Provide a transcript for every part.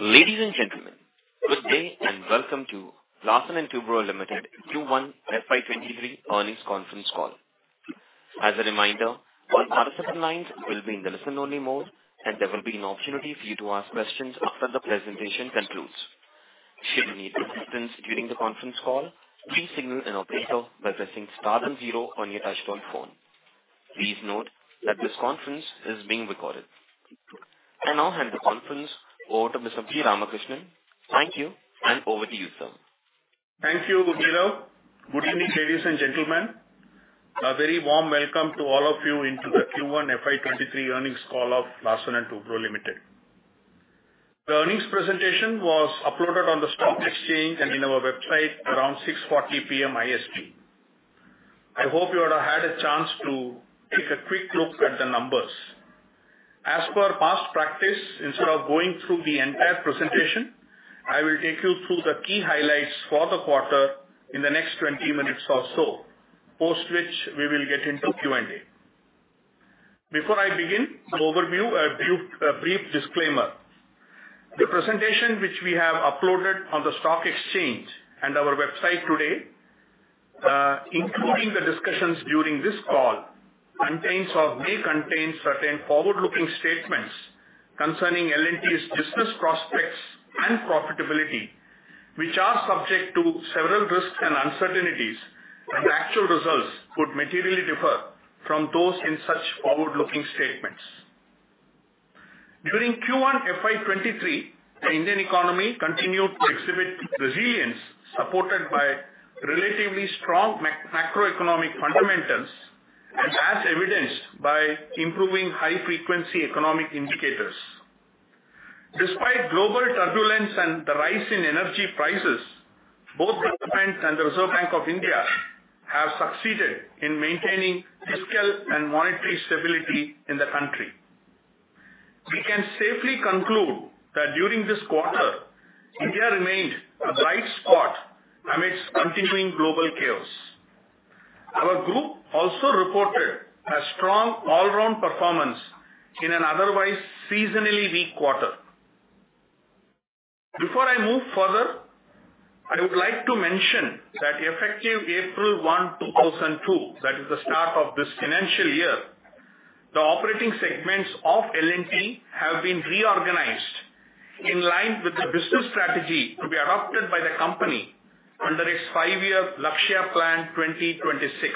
Ladies and gentlemen, good day and welcome to Larsen & Toubro Limited Q1 FY 2023 earnings conference call. As a reminder, all participant lines will be in the listen-only mode, and there will be an opportunity for you to ask questions after the presentation concludes. Should you need assistance during the conference call, please signal an operator by pressing star then zero on your touch-tone phone. Please note that this conference is being recorded. I now hand the conference over to Mr. P. Ramakrishnan. Thank you, and over to you, sir. Thank you, Abhirup. Good evening, ladies and gentlemen. A very warm welcome to all of you into the Q1 FY 2023 earnings call of Larsen & Toubro Limited. The earnings presentation was uploaded on the stock exchange and in our website around 6:40 P.M. IST. I hope you all had a chance to take a quick look at the numbers. As per past practice, instead of going through the entire presentation, I will take you through the key highlights for the quarter in the next 20 minutes or so, post which we will get into Q&A. Before I begin the overview, a brief disclaimer. The presentation which we have uploaded on the stock exchange and our website today, including the discussions during this call, contains or may contain certain forward-looking statements concerning L&T's business prospects and profitability, which are subject to several risks and uncertainties, and actual results could materially differ from those in such forward-looking statements. During Q1 FY 2023, the Indian economy continued to exhibit resilience supported by relatively strong macroeconomic fundamentals, and as evidenced by improving high-frequency economic indicators. Despite global turbulence and the rise in energy prices, both the government and the Reserve Bank of India have succeeded in maintaining fiscal and monetary stability in the country. We can safely conclude that during this quarter, India remained a bright spot amidst continuing global chaos. Our group also reported a strong all-round performance in an otherwise seasonally weak quarter. Before I move further, I would like to mention that effective April 1, 2022, that is the start of this financial year, the operating segments of L&T have been reorganized in line with the business strategy to be adopted by the company under its five-year Lakshya plan 2026.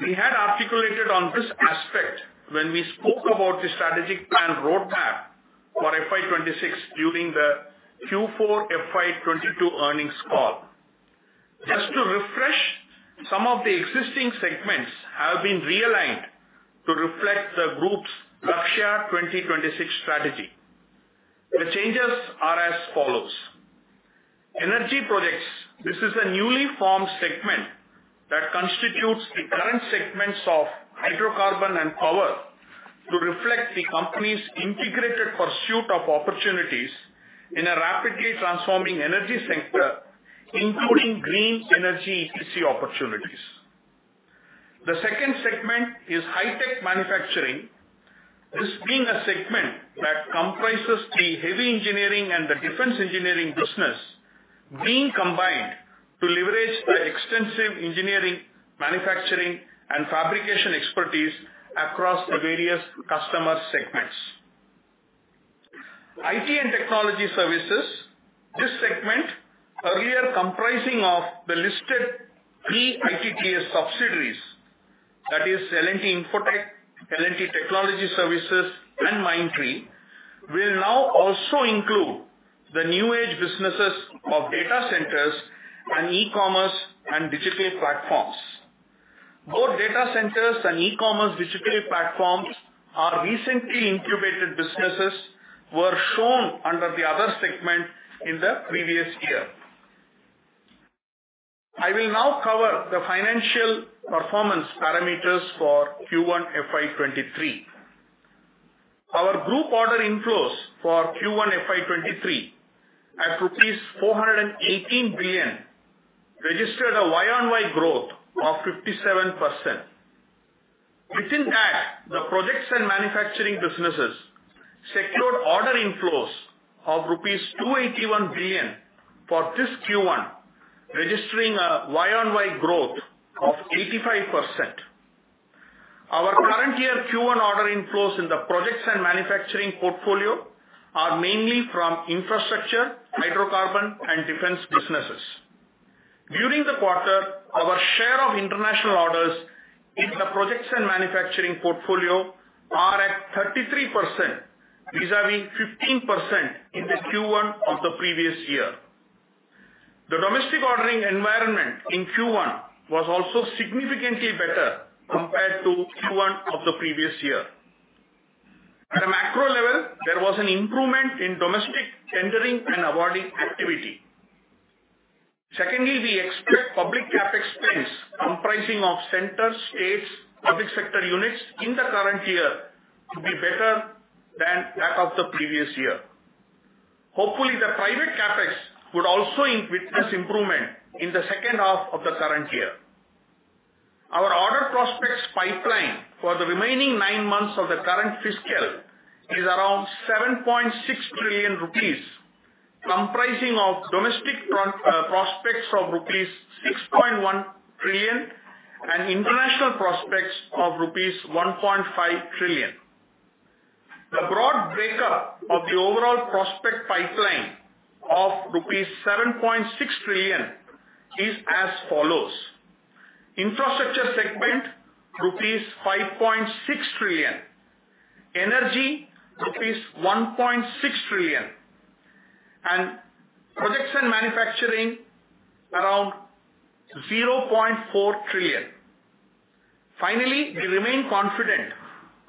We had articulated on this aspect when we spoke about the strategic plan roadmap for FY 2026 during the Q4 FY 2022 earnings call. Just to refresh, some of the existing segments have been realigned to reflect the group's Lakshya 2026 strategy. The changes are as follows. Energy projects. This is a newly formed segment that constitutes the current segments of hydrocarbon and power to reflect the company's integrated pursuit of opportunities in a rapidly transforming energy sector, including green energy EPC opportunities. The second segment is high-tech manufacturing, this being a segment that comprises the heavy engineering and the defense engineering business being combined to leverage the extensive engineering, manufacturing, and fabrication expertise across the various customer segments. IT and technology services. This segment, earlier comprising of the listed three IT&TS subsidiaries, that is L&T Infotech, L&T Technology Services, and Mindtree, will now also include the new age businesses of data centers and e-commerce and digital platforms. Both data centers and e-commerce digital platforms are recently incubated businesses were shown under the other segment in the previous year. I will now cover the financial performance parameters for Q1 FY 2023. Our group order inflows for Q1 FY 2023 at rupees 418 billion registered a YoY growth of 57%. Within that, the projects and manufacturing businesses secured order inflows of rupees 281 billion for this Q1, registering a YoY growth of 85%. Our current year Q1 order inflows in the projects and manufacturing portfolio are mainly from infrastructure, hydrocarbon, and defense businesses. During the quarter, our share of international orders in the projects and manufacturing portfolio are at 33% vis-à-vis 15% in the Q1 of the previous year. The domestic ordering environment in Q1 was also significantly better compared to Q1 of the previous year. At a macro level, there was an improvement in domestic tendering and awarding activity. Secondly, we expect public CapEx spends comprising of central, states, public sector units in the current year to be better than that of the previous year. Hopefully, the private CapEx could also witness improvement in the second half of the current year. Our order prospect pipeline for the remaining nine months of the current fiscal is around 7.6 trillion rupees, comprising of domestic prospects of rupees 6.1 trillion and international prospects of rupees 1.5 trillion. The broad breakup of the overall prospect pipeline of rupees 7.6 trillion is as follows, infrastructure segment, rupees 5.6 trillion, energy, rupees 1.6 trillion, and projects and manufacturing, around 0.4 trillion. Finally, we remain confident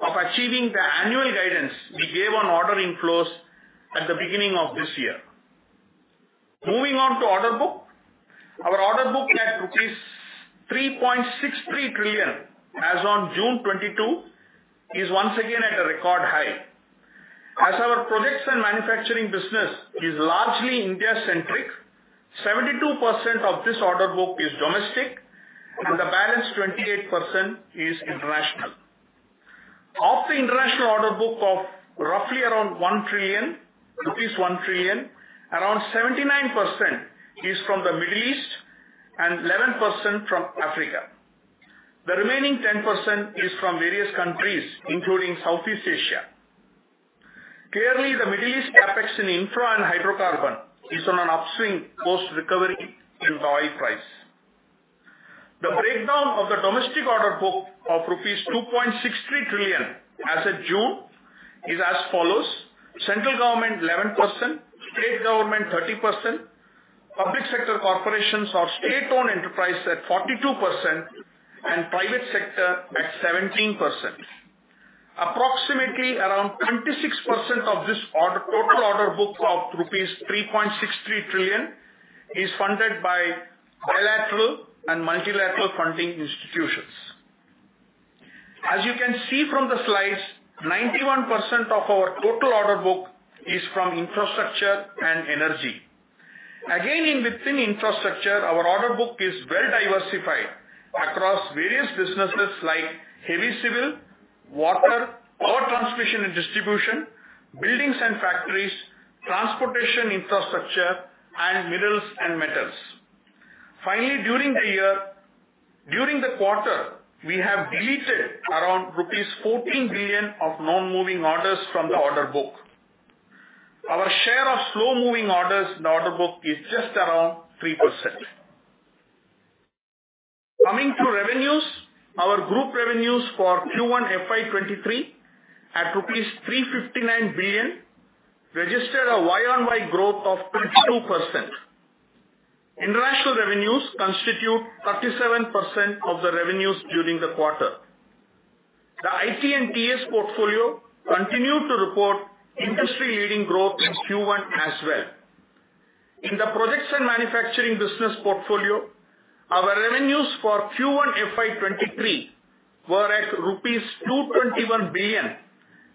of achieving the annual guidance we gave on order inflows at the beginning of this year. Moving on to order book. Our order book at rupees 3.63 trillion as on June 2022, is once again at a record high. As our projects and manufacturing business is largely India-centric, 72% of this order book is domestic and the balance 28% is international. Of the international order book of roughly around 1 trillion, rupees 1 trillion, around 79% is from the Middle East and 11% from Africa. The remaining 10% is from various countries, including Southeast Asia. Clearly, the Middle East CapEx in infra and hydrocarbon is on an upswing post-recovery due to the high price. The breakdown of the domestic order book of rupees 2.63 trillion as at June is as follows: Central government 11%, state government 30%, public sector corporations or state-owned enterprise at 42%, and private sector at 17%. Approximately around 26% of this order, total order book of rupees 3.63 trillion is funded by bilateral and multilateral funding institutions. As you can see from the slides, 91% of our total order book is from infrastructure and energy. Within infrastructure, our order book is well diversified across various businesses like heavy civil, water, power transmission and distribution, buildings and factories, transportation infrastructure and minerals and metals. During the quarter, we have deleted around rupees 14 billion of non-moving orders from the order book. Our share of slow-moving orders in the order book is just around 3%. Coming to revenues, our group revenues for Q1 FY 2023 at rupees 359 billion registered a YoY growth of 22%. International revenues constitute 37% of the revenues during the quarter. The IT&TS portfolio continued to report industry-leading growth in Q1 as well. In the projects and manufacturing business portfolio, our revenues for Q1 FY2023 were at rupees 221 billion,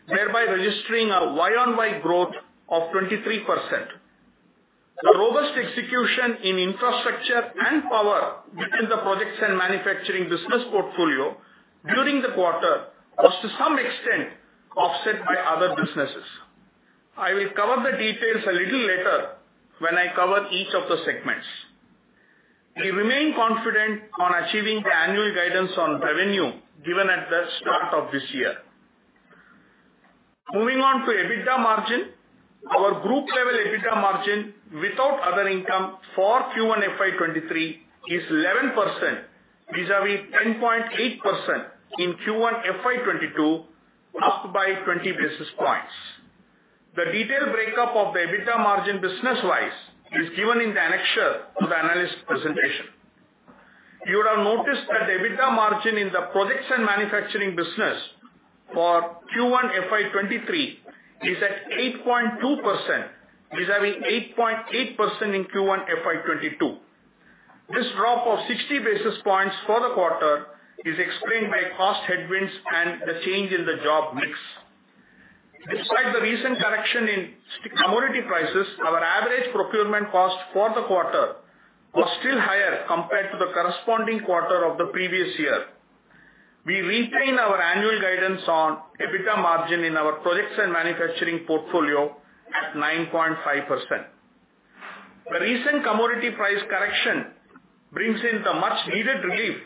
thereby registering a YoY growth of 23%. The robust execution in infrastructure and power within the projects and manufacturing business portfolio during the quarter was to some extent offset by other businesses. I will cover the details a little later when I cover each of the segments. We remain confident on achieving the annual guidance on revenue given at the start of this year. Moving on to EBITDA margin. Our group level EBITDA margin without other income for Q1 FY2023 is 11% vis-à-vis 10.8% in Q1 FY2022, up by 20 basis points. The detailed breakup of the EBITDA margin business-wise is given in the annexure to the analyst presentation. You would have noticed that the EBITDA margin in the projects and manufacturing business for Q1 FY 2023 is at 8.2% vis-à-vis 8.8% in Q1 FY 2022. This drop of 60 basis points for the quarter is explained by cost headwinds and the change in the job mix. Despite the recent correction in commodity prices, our average procurement cost for the quarter was still higher compared to the corresponding quarter of the previous year. We retain our annual guidance on EBITDA margin in our projects and manufacturing portfolio at 9.5%. The recent commodity price correction brings in the much-needed relief.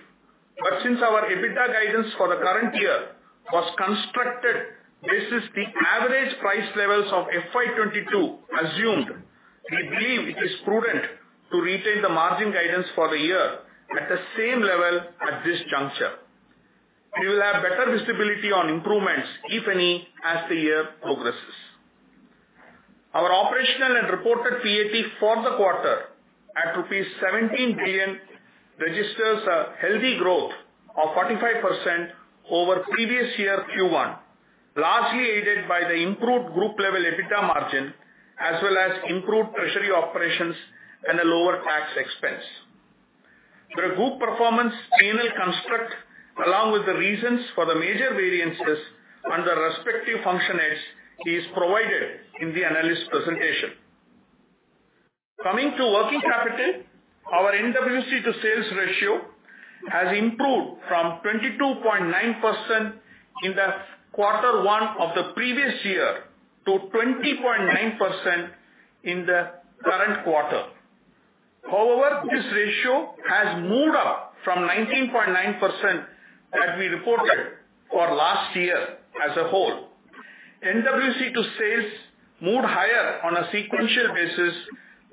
Since our EBITDA guidance for the current year was constructed based on the average price levels of FY 2022 assumed, we believe it is prudent to retain the margin guidance for the year at the same level at this juncture. We will have better visibility on improvements, if any, as the year progresses. Our operational and reported PAT for the quarter at rupees 17 billion registers a healthy growth of 45% over previous year Q1, largely aided by the improved group level EBITDA margin, as well as improved treasury operations and a lower tax expense. The group performance P&L construct, along with the reasons for the major variances under respective functionaries, is provided in the analyst presentation. Coming to working capital, our NWC to sales ratio has improved from 22.9% in the quarter one of the previous year to 20.9% in the current quarter. However, this ratio has moved up from 19.9% that we reported for last year as a whole. NWC to sales moved higher on a sequential basis,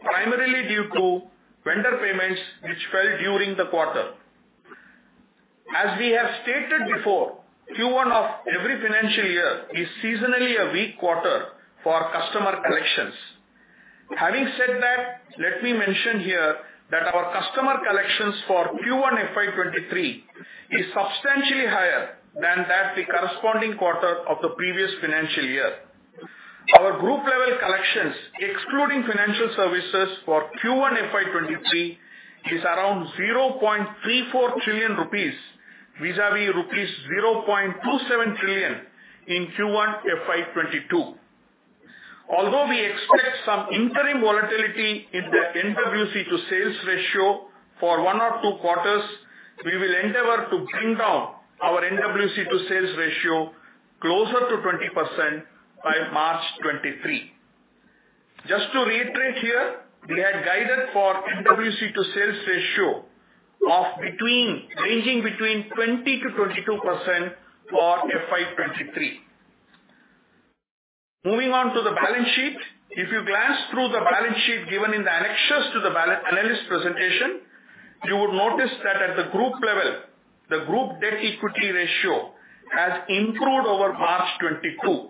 primarily due to vendor payments which fell during the quarter. As we have stated before, Q1 of every financial year is seasonally a weak quarter for our customer collections. Having said that, let me mention here that our customer collections for Q1 FY 2023 is substantially higher than that of the corresponding quarter of the previous financial year. Our group level collections, excluding financial services for Q1 FY 2023, is around 0.34 trillion rupees vis-à-vis rupees 0.27 trillion in Q1 FY 2022. Although we expect some interim volatility in the NWC to sales ratio for one or two quarters, we will endeavor to bring down our NWC to sales ratio closer to 20% by March 2023. Just to reiterate here, we had guided for NWC to sales ratio of between, ranging between 20%-22% for FY 2023. Moving on to the balance sheet. If you glance through the balance sheet given in the annexures to the analyst presentation, you would notice that at the group level, the group debt equity ratio has improved over March 2022.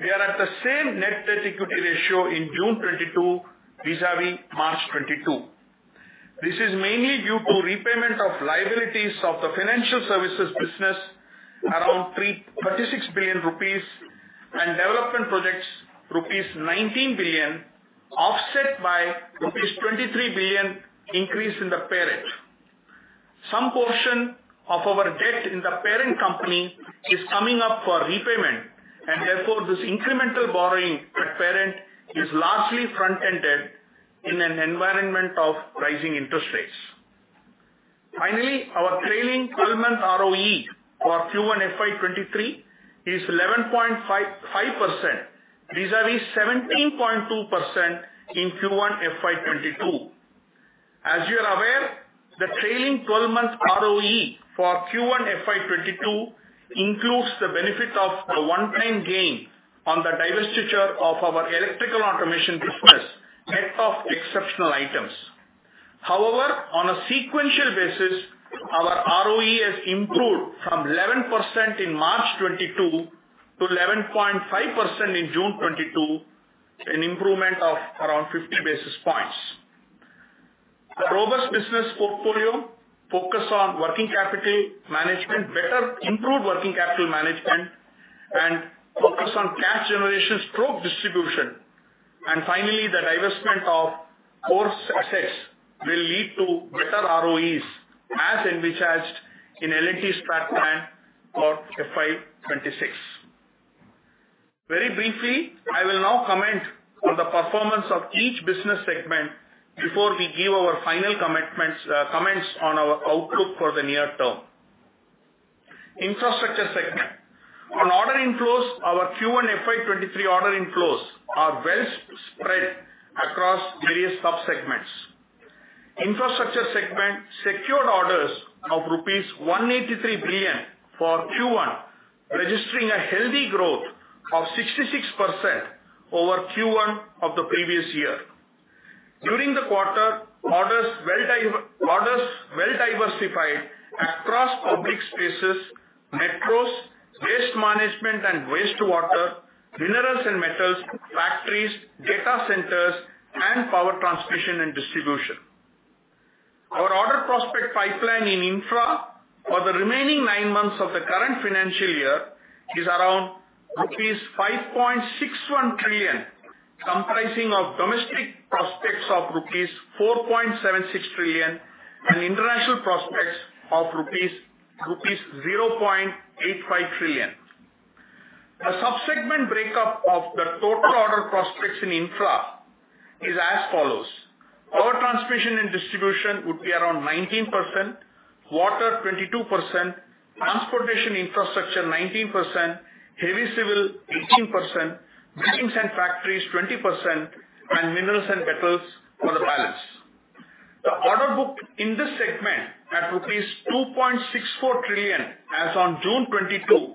We are at the same net debt equity ratio in June 2022 vis-à-vis March 2022. This is mainly due to repayment of liabilities of the financial services business, around 36 billion rupees and development projects rupees 19 billion, offset by rupees 23 billion increase in the parent. Some portion of our debt in the parent company is coming up for repayment, and therefore this incremental borrowing at parent is largely front-ended in an environment of rising interest rates. Finally, our trailing 12-month ROE for Q1 FY 2023 is 11.55% vis-à-vis 17.2% in Q1 FY 2022. As you are aware, the trailing 12-month ROE for Q1 FY 2022 includes the benefit of a one-time gain on the divestiture of our electrical automation business, net of exceptional items. However, on a sequential basis, our ROE has improved from 11% in March 2022 to 11.5% in June 2022, an improvement of around 50 basis points. A robust business portfolio focus on working capital management, better improve working capital management, and focus on cash generation through distribution. Finally, the divestment of core assets will lead to better ROEs as envisaged in L&T's strategic plan for FY 2026. Very briefly, I will now comment on the performance of each business segment before we give our final comments on our outlook for the near term. Infrastructure segment. On order inflows, our Q1 FY 2023 order inflows are well spread across various sub-segments. Infrastructure segment secured orders of rupees 183 billion for Q1, registering a healthy growth of 66% over Q1 of the previous year. During the quarter, orders well diversified across public spaces, metros, waste management and wastewater, minerals and metals, factories, data centers, and power transmission and distribution. Our order prospect pipeline in infra for the remaining nine months of the current financial year is around rupees 5.61 trillion, comprising of domestic prospects of rupees 4.76 trillion and international prospects of rupees 0.85 trillion. A sub-segment break-up of the total order prospects in infra is as follows: power transmission and distribution would be around 19%, water 22%, transportation infrastructure 19%, heavy civil 18%, buildings and factories 20%, and minerals and metals for the balance. The order book in this segment at rupees 2.64 trillion as on June 2022.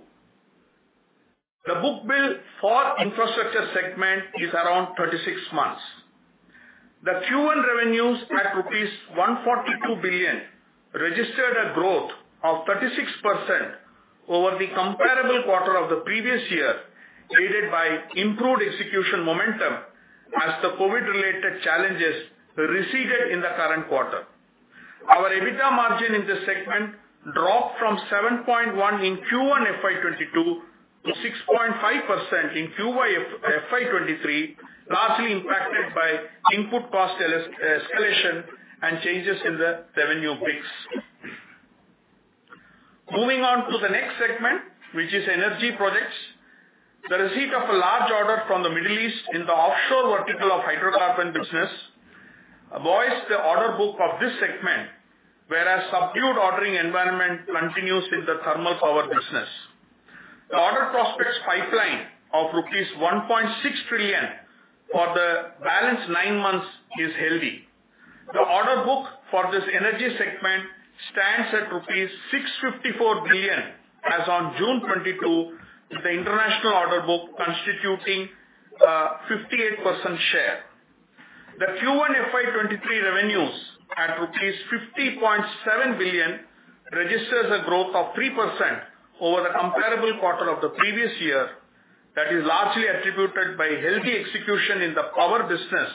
The book-to-bill for infrastructure segment is around 36 months. The Q1 revenues at INR 142 billion registered a growth of 36% over the comparable quarter of the previous year, aided by improved execution momentum as the COVID-related challenges receded in the current quarter. Our EBITDA margin in this segment dropped from 7.1% in Q1 FY 2022 to 6.5% in Q1 FY 2023, largely impacted by input cost escalation and changes in the revenue mix. Moving on to the next segment, which is energy projects. The receipt of a large order from the Middle East in the offshore vertical of hydrocarbon business buoys the order book of this segment, whereas subdued ordering environment continues in the thermal power business. The order prospects pipeline of rupees 1.6 trillion for the balance nine months is healthy. The order book for this energy segment stands at rupees 654 billion as on June 2022, with the international order book constituting 58% share. The Q1 FY 2023 revenues at rupees 50.7 billion registers a growth of 3% over the comparable quarter of the previous year that is largely attributed by healthy execution in the power business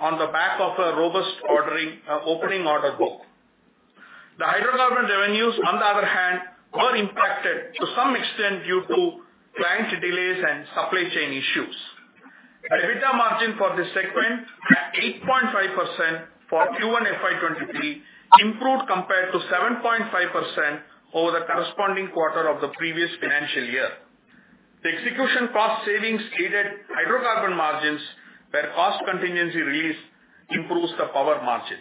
on the back of a robust ordering, opening order book. The hydrocarbon revenues, on the other hand, were impacted to some extent due to plant delays and supply chain issues. EBITDA margin for this segment at 8.5% for Q1 FY 2023 improved compared to 7.5% over the corresponding quarter of the previous financial year. The execution cost savings aided hydrocarbon margins where cost contingency release improves the power margin.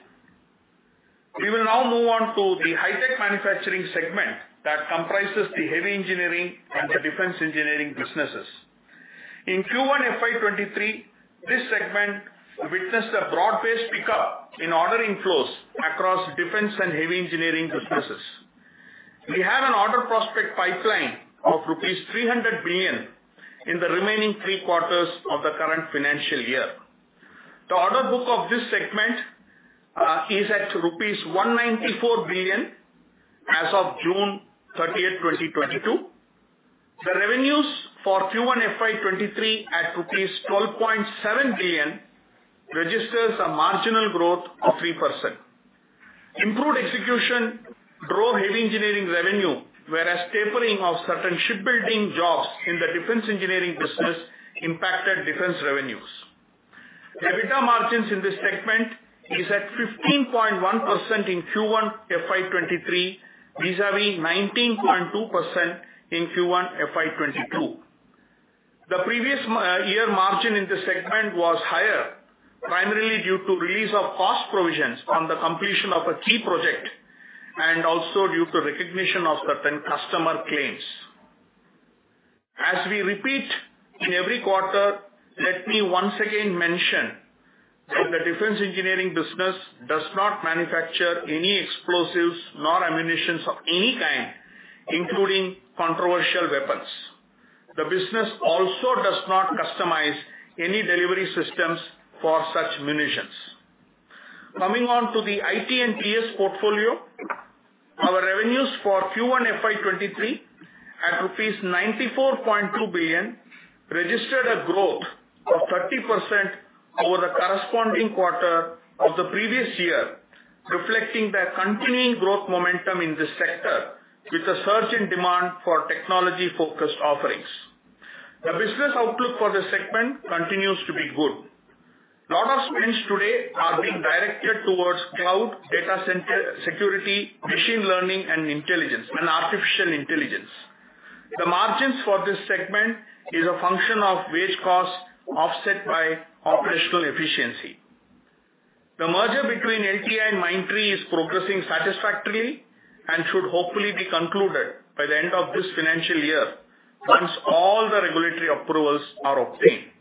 We will now move on to the high-tech manufacturing segment that comprises the heavy engineering and the defense engineering businesses. In Q1 FY 2023, this segment witnessed a broad-based pickup in order inflows across defense and heavy engineering businesses. We have an order prospect pipeline of rupees 300 billion in the remaining three quarters of the current financial year. The order book of this segment is at rupees 194 billion as of June 30, 2022. The revenues for Q1 FY 2023 at rupees 12.7 billion registers a marginal growth of 3%. Improved execution drove heavy engineering revenue, whereas tapering of certain shipbuilding jobs in the defense engineering business impacted defense revenues. EBITDA margins in this segment is at 15.1% in Q1 FY 2023, vis-à-vis 19.2% in Q1 FY 2022. The previous year margin in this segment was higher, primarily due to release of cost provisions on the completion of a key project and also due to recognition of certain customer claims. As we repeat in every quarter, let me once again mention that the defense engineering business does not manufacture any explosives nor ammunitions of any kind, including controversial weapons. The business also does not customize any delivery systems for such munitions. Coming on to the IT&TS portfolio. Our revenues for Q1 FY 2023 at 94.2 billion registered a growth of 30% over the corresponding quarter of the previous year, reflecting the continuing growth momentum in this sector with a surge in demand for technology-focused offerings. The business outlook for this segment continues to be good. Lot of spends today are being directed towards cloud, data center, security, machine learning, and intelligence, and artificial intelligence. The margins for this segment is a function of wage costs offset by operational efficiency. The merger between LTI and Mindtree is progressing satisfactorily and should hopefully be concluded by the end of this financial year once all the regulatory approvals are obtained.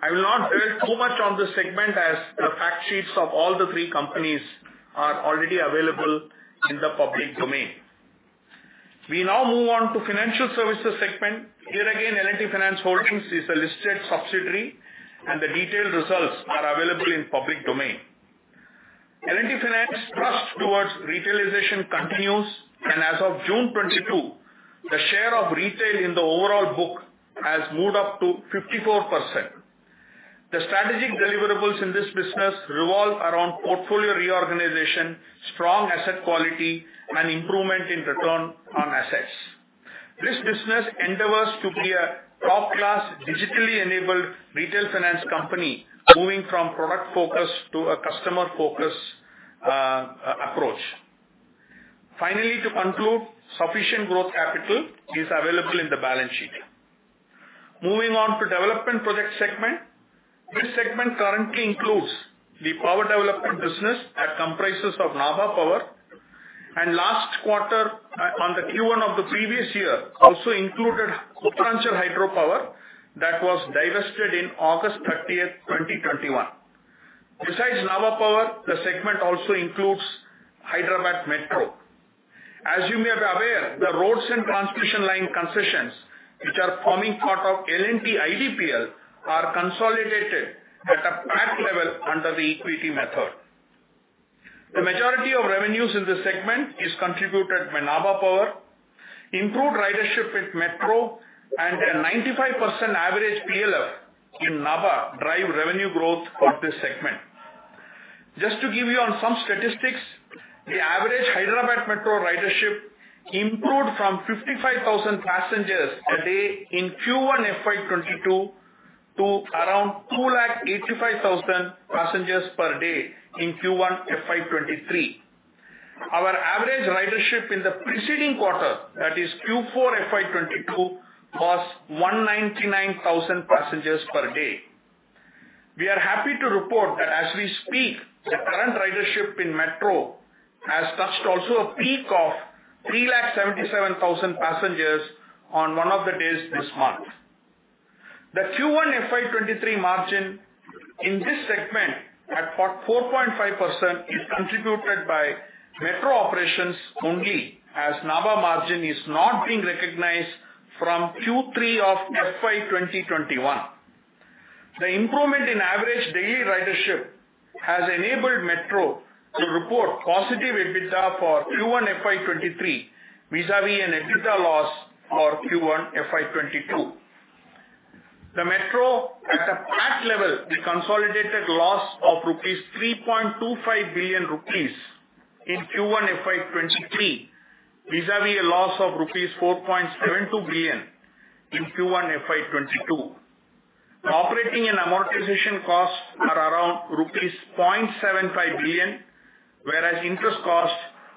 I will not dwell too much on this segment as the fact sheets of all the three companies are already available in the public domain. We now move on to financial services segment. Here again, L&T Finance Holdings is a listed subsidiary, and the detailed results are available in public domain. L&T Finance thrust towards retailization continues, and as of June 2022, the share of retail in the overall book has moved up to 54%. The strategic deliverables in this business revolve around portfolio reorganization, strong asset quality, and improvement in return on assets. This business endeavors to be a top-class, digitally enabled retail finance company, moving from product focus to a customer focus approach. Finally, to conclude, sufficient growth capital is available in the balance sheet. Moving on to development project segment. This segment currently includes the power development business that comprises of Nabha Power. Last quarter, on the Q1 of the previous year, also included L&T Uttaranchal Hydropower that was divested in August 30, 2021. Besides Nabha Power, the segment also includes Hyderabad Metro. As you may be aware, the roads and transmission line concessions which are forming part of L&T IDPL are consolidated at a group level under the equity method. The majority of revenues in this segment is contributed by Nabha Power. Improved ridership in Metro and a 95% average PLF in Nabha drive revenue growth for this segment. Just to give you on some statistics, the average Hyderabad Metro ridership improved from 55,000 passengers a day in Q1 FY 2022 to around 285,000 passengers per day in Q1 FY 2023. Our average ridership in the preceding quarter, that is Q4 FY 2022, was 199,000 passengers per day. We are happy to report that as we speak, the current ridership in Metro has touched also a peak of 377,000 passengers on one of the days this month. The Q1 FY 2023 margin in this segment at 4.5% is contributed by Metro operations only, as Nabha margin is not being recognized from Q3 of FY 2021. The improvement in average daily ridership has enabled Metro to report positive EBITDA for Q1 FY 2023, vis-à-vis an EBITDA loss for Q1 FY 2022. The Metro at a PAT level, the consolidated loss of 3.25 billion rupees in Q1 FY 2023, vis-à-vis a loss of rupees 4.72 billion in Q1 FY 2022. The operating and amortization costs are around rupees 0.75 billion, whereas interest cost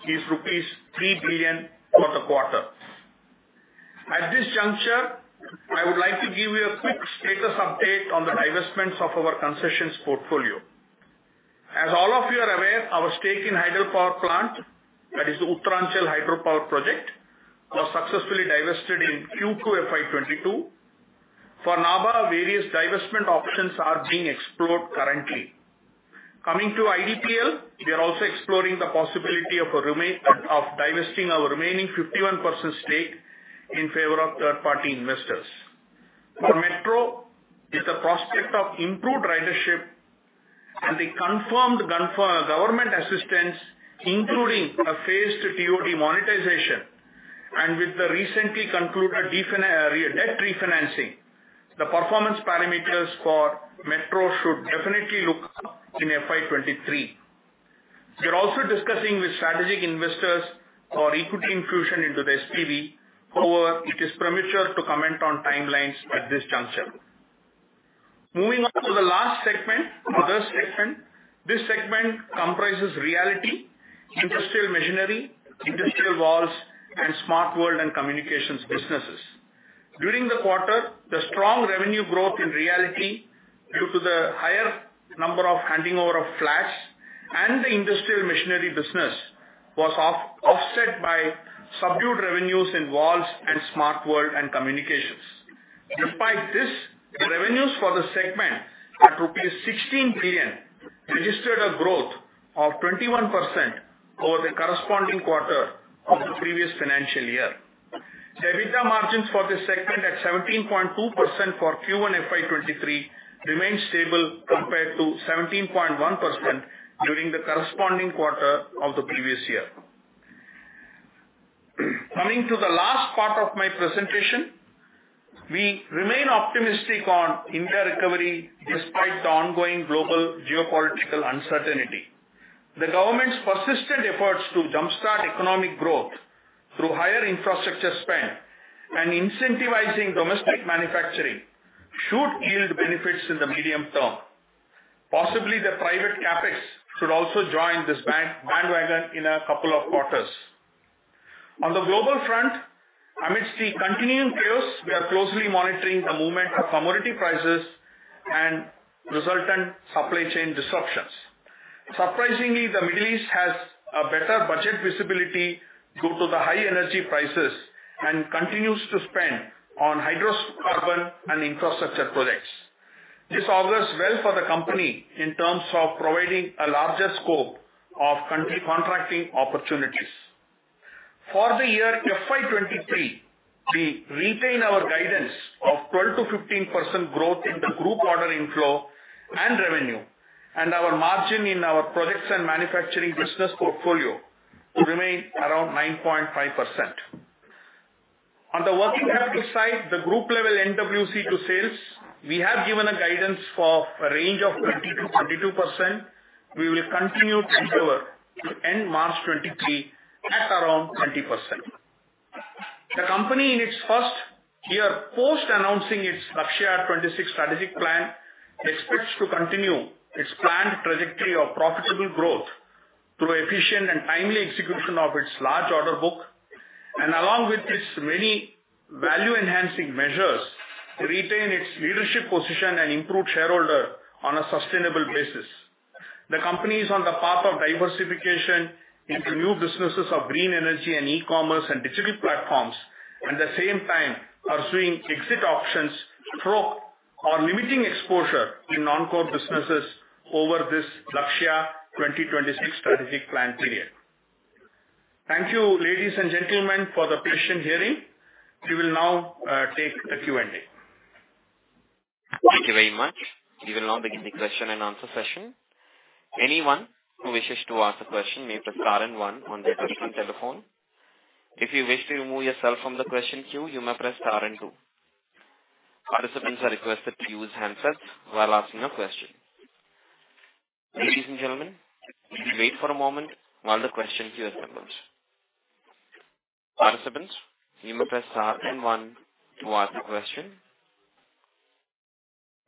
is rupees 3 billion for the quarter. At this juncture, I would like to give you a quick status update on the divestments of our concessions portfolio. As all of you are aware, our stake in hydropower plant, that is the Uttaranchal Hydropower project, was successfully divested in Q2 FY 2022. For Nabha, various divestment options are being explored currently. Coming to IDPL, we are also exploring the possibility of divesting our remaining 51% stake in favor of third-party investors. For Metro, with the prospect of improved ridership and the confirmed government assistance, including a phased TOD monetization and with the recently concluded debt refinancing, the performance parameters for Metro should definitely look up in FY 2023. We are also discussing with strategic investors for equity infusion into the SPV. However, it is premature to comment on timelines at this juncture. Moving on to the last segment, Others segment. This segment comprises realty, industrial machinery, industrial valves, and smart world and communications businesses. During the quarter, the strong revenue growth in realty due to the higher number of handing over of flats and the industrial machinery business was offset by subdued revenues in valves and smart world and communications. Despite this, the revenues for the segment at INR 16 billion registered a growth of 21% over the corresponding quarter of the previous financial year. The EBITDA margins for this segment at 17.2% for Q1 FY 2023 remain stable compared to 17.1% during the corresponding quarter of the previous year. Coming to the last part of my presentation, we remain optimistic on India recovery despite the ongoing global geopolitical uncertainty. The government's persistent efforts to jumpstart economic growth through higher infrastructure spend and incentivizing domestic manufacturing should yield benefits in the medium term. Possibly, the private CapEx should also join this bandwagon in a couple of quarters. On the global front, amidst the continuing chaos, we are closely monitoring the movement of commodity prices and resultant supply chain disruptions. Surprisingly, the Middle East has a better budget visibility due to the high energy prices and continues to spend on hydrocarbons and infrastructure projects. This augurs well for the company in terms of providing a larger scope of contracting opportunities. For the year FY 2023, we retain our guidance of 12%-15% growth in the group order inflow and revenue, and our margin in our projects and manufacturing business portfolio to remain around 9.5%. On the working capital side, the group level NWC to sales, we have given a guidance for a range of 20%-22%. We will continue to ensure end March 2023 at around 20%. The company in its first year post announcing its Lakshya 2026 strategic plan, expects to continue its planned trajectory of profitable growth through efficient and timely execution of its large order book. Along with its many value-enhancing measures, retain its leadership position and improve shareholder value on a sustainable basis. The company is on the path of diversification into new businesses of green energy and e-commerce and digital platforms. At the same time, we are seeing exit options through divestments or limiting exposure in non-core businesses over this Lakshya 2026 strategic plan period. Thank you, ladies and gentlemen, for the patient hearing. We will now take the Q&A. Thank you very much. We will now begin the question and answer session. Anyone who wishes to ask a question may press star and one on their touchtone telephone. If you wish to remove yourself from the question queue, you may press star and two. Participants are requested to use handsets while asking a question. Ladies and gentlemen, if you wait for a moment while the question queue assembles. Participants, you may press star and one to ask a question.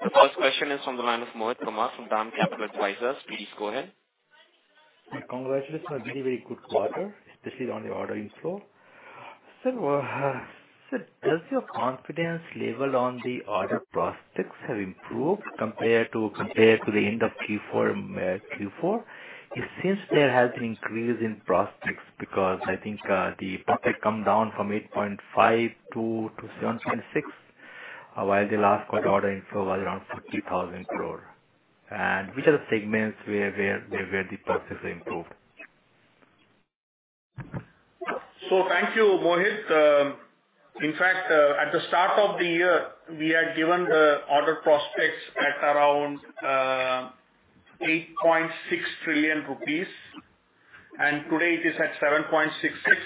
The first question is on the line of Mohit Kumar from DAM Capital Advisors. Please go ahead. My congratulations on a very, very good quarter, especially on the order inflow. Sir, does your confidence level on the order prospects have improved compared to the end of Q4? It seems there has been increase in prospects because I think the prospect come down from 8.5 trillion to 7.6 trillion, while the last quarter order inflow was around 50,000 crore. Which are the segments where the prospects improved? Thank you, Mohit. In fact, at the start of the year, we had given the order prospects at around 8.6 trillion rupees, and today it is at 7.66 trillion.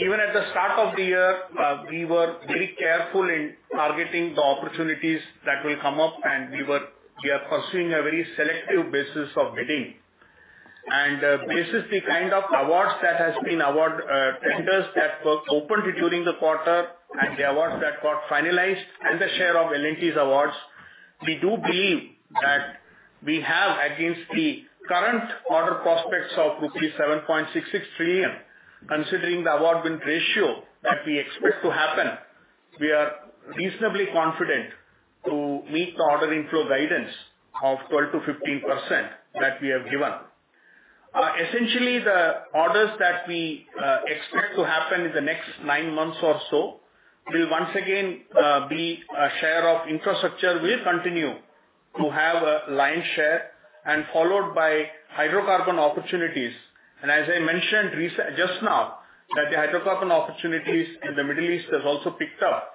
Even at the start of the year, we were very careful in targeting the opportunities that will come up, and we are pursuing a very selective basis of bidding. This is the kind of awards that have been awarded, tenders that were opened during the quarter and the awards that got finalized and the share of L&T's awards. We do believe that we have, against the current order prospects of rupees 7.66 trillion, considering the award win ratio that we expect to happen, we are reasonably confident to meet the order inflow guidance of 12%-15% that we have given. Essentially, the orders that we expect to happen in the next nine months or so will once again be a share of infrastructure will continue to have a lion's share and followed by hydrocarbon opportunities. As I mentioned just now, that the hydrocarbon opportunities in the Middle East has also picked up.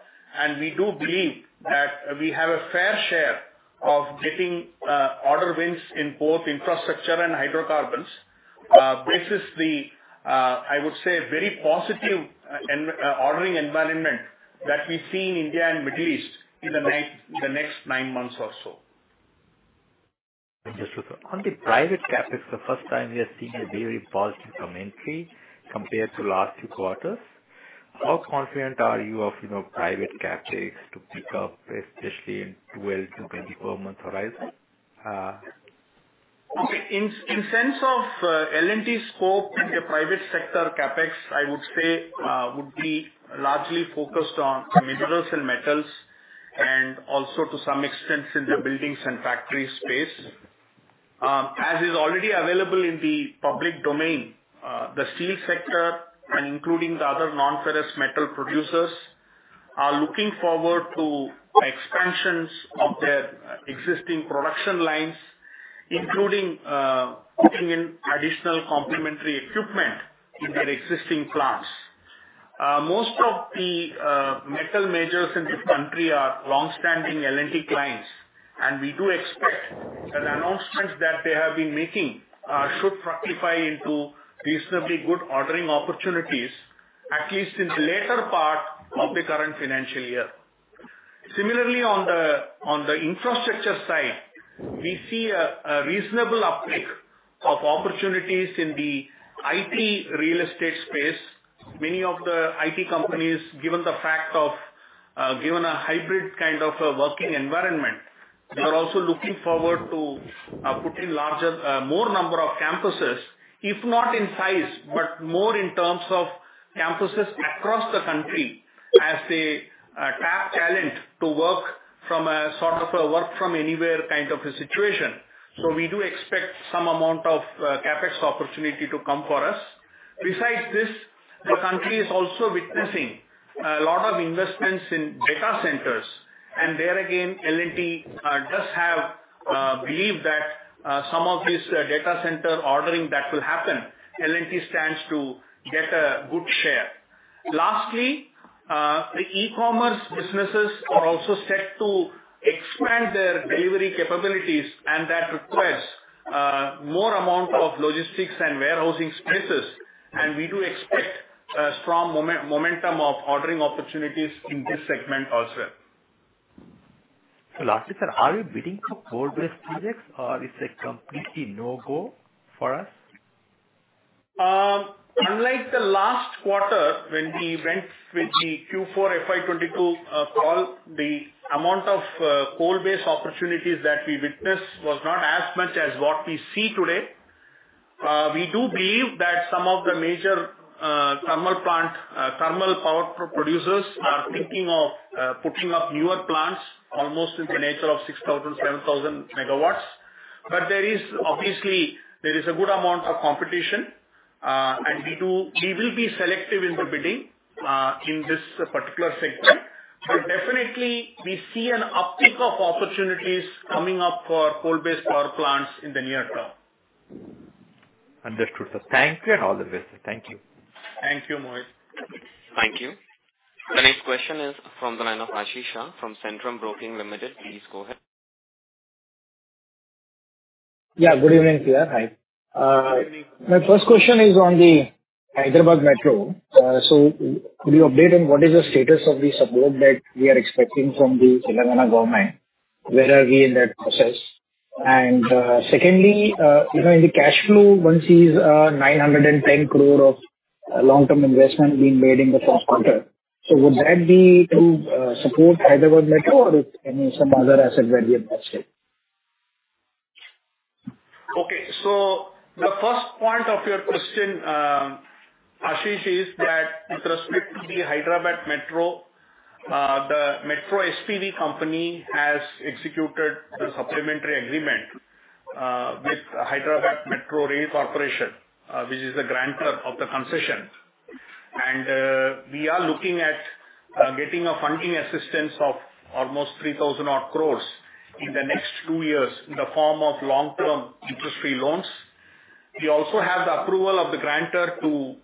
We do believe that we have a fair share of getting order wins in both infrastructure and hydrocarbons. This is, I would say, a very positive ordering environment that we see in India and Middle East in the next nine months or so. Understood, sir. On the private CapEx, the first time we are seeing a very positive commentary compared to last two quarters. How confident are you of, you know, private CapEx to pick up, especially in 12-24 month horizon? Okay. In the sense of L&T's scope in the private sector CapEx, I would say would be largely focused on minerals and metals and also to some extent in the buildings and factory space. As is already available in the public domain, the steel sector and including the other non-ferrous metal producers are looking forward to expansions of their existing production lines, including putting in additional complementary equipment in their existing plants. Most of the metal majors in the country are longstanding L&T clients, and we do expect that announcements that they have been making should fructify into reasonably good ordering opportunities, at least in the later part of the current financial year. Similarly, on the infrastructure side, we see a reasonable uptick of opportunities in the IT real estate space. Many of the IT companies, given a hybrid kind of a working environment, they are also looking forward to putting larger, more number of campuses, if not in size, but more in terms of campuses across the country as they tap talent to work from a sort of a work from anywhere kind of a situation. We do expect some amount of CapEx opportunity to come for us. Besides this, the country is also witnessing a lot of investments in data centers. There again, L&T does have belief that some of this data center ordering that will happen, L&T stands to get a good share. Lastly, the e-commerce businesses are also set to expand their delivery capabilities, and that requires more amount of logistics and warehousing spaces, and we do expect a strong momentum of ordering opportunities in this segment also. Lastly, sir, are you bidding for coal-based projects, or is it completely no-go for us? Unlike the last quarter when we went with the Q4 FY 2022 call, the amount of coal-based opportunities that we witnessed was not as much as what we see today. We do believe that some of the major thermal power producers are thinking of putting up newer plants almost in the nature of 6,000 MW-7,000 MW. There is, obviously, a good amount of competition, and we will be selective in the bidding in this particular sector. Definitely we see an uptick of opportunities coming up for coal-based power plants in the near term. Understood, sir. Thank you and all the best, sir. Thank you. Thank you, Mohit. Thank you. The next question is from the line of Ashish Shah from Centrum Broking Limited. Please go ahead. Yeah, good evening, sir. Hi. Good evening. My first question is on the Hyderabad Metro. So could you update on what is the status of the support that we are expecting from the Government of Telangana? Where are we in that process? And secondly, you know, in the cash flow one sees, 910 crore of long-term investment being made in the first quarter. So would that be to support Hyderabad Metro or is any, some other asset that we have purchased? The first point of your question, Ashish, is that with respect to the Hyderabad Metro, the Metro SPV company has executed the supplementary agreement with Hyderabad Metro Rail Corporation which is the grantor of the concession. We are looking at getting a funding assistance of almost 3,000 crore in the next two years in the form of long-term interest-free loans. We also have the approval of the grantor to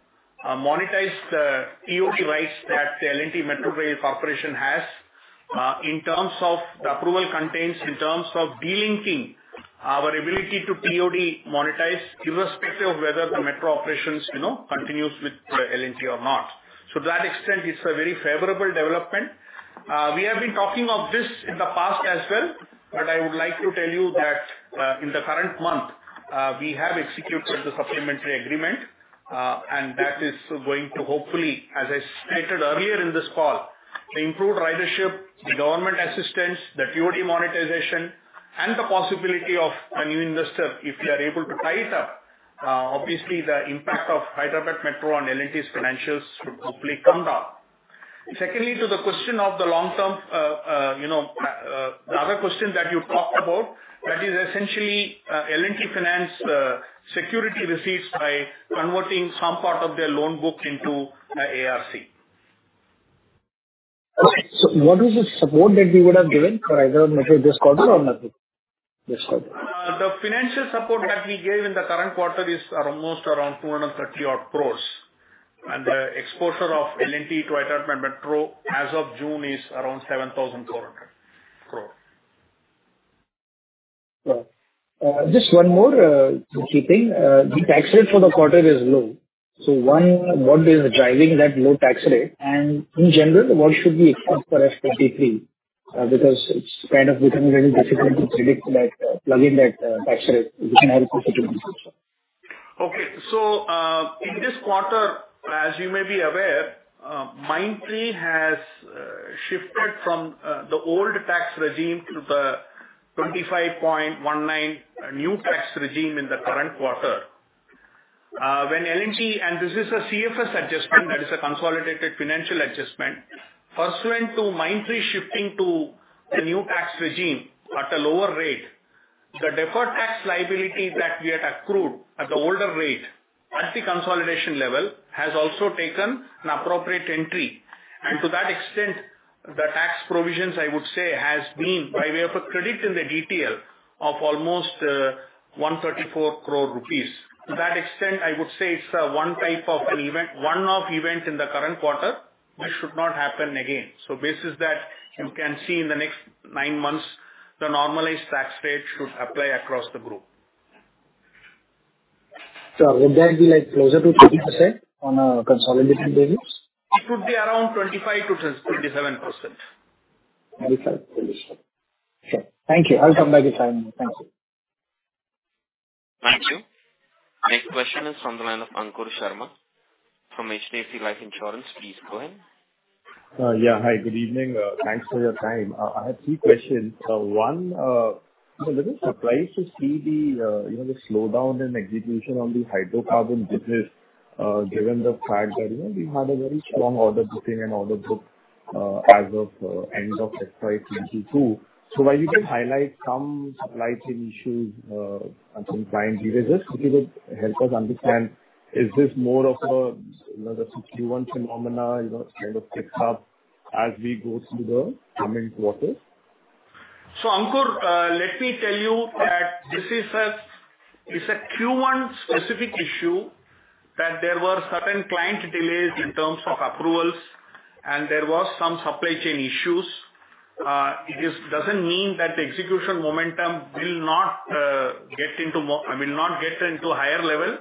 monetize the TOD rights that the L&T Metro Rail Corporation has. In terms of the approval contains in terms of delinking our ability to TOD monetize irrespective of whether the metro operations, you know, continues with L&T or not. To that extent, it's a very favorable development. We have been talking of this in the past as well, but I would like to tell you that, in the current month, we have executed the supplementary agreement, and that is going to hopefully, as I stated earlier in this call, the improved ridership, the government assistance, the TOD monetization and the possibility of a new investor, if we are able to tie it up, obviously the impact of Hyderabad Metro on L&T's financials should hopefully come down. Secondly, to the question of the long-term, you know, the other question that you talked about, that is essentially, L&T Finance, security receipts by converting some part of their loan book into ARC. What is the support that you would have given for Hyderabad Metro this quarter or next quarter? This quarter. The financial support that we gave in the current quarter is almost around 230 crore. The exposure of L&T to Hyderabad Metro as of June is around 7,000 crore. Well, just one more quick thing. The tax rate for the quarter is low. One, what is driving that low tax rate? In general, what should we expect for FY 2023? Because it's kind of becoming a little difficult to predict that, plug in that tax rate. If you can help with it. Okay. In this quarter, as you may be aware, Mindtree has shifted from the old tax regime to the 25.19 new tax regime in the current quarter. When L&T, and this is a CFS adjustment, that is a consolidated financial adjustment, pursuant to Mindtree shifting to the new tax regime at a lower rate, the deferred tax liability that we had accrued at the older rate at the consolidation level has also taken an appropriate entry. To that extent, the tax provisions I would say has been by way of a credit in the DTL of almost 134 crore rupees. To that extent, I would say it's one type of an event, one-off event in the current quarter which should not happen again. Based on that, you can see in the next nine months, the normalized tax rate should apply across the group. Would that be like closer to 30% on a consolidated basis? It would be around 25%-27%. 25%, 27%. Sure. Thank you. I'll come back if I have any. Thank you. Thank you. Next question is from the line of Ankur Sharma from HDFC Life Insurance. Please go ahead. Yeah. Hi, good evening. Thanks for your time. I have three questions. One, a little surprised to see the, you know, the slowdown in execution on the hydrocarbon business, given the fact that, you know, we had a very strong order booking and order book, as of end of FY 2022. While you did highlight some supply chain issues, and some client delays, if you could help us understand, is this more of a, you know, the Q1 phenomena, you know, it kind of picks up as we go through the coming quarters? Ankur, let me tell you that this is a Q1 specific issue that there were certain client delays in terms of approvals and there was some supply chain issues. It doesn't mean that the execution momentum will not get into higher level.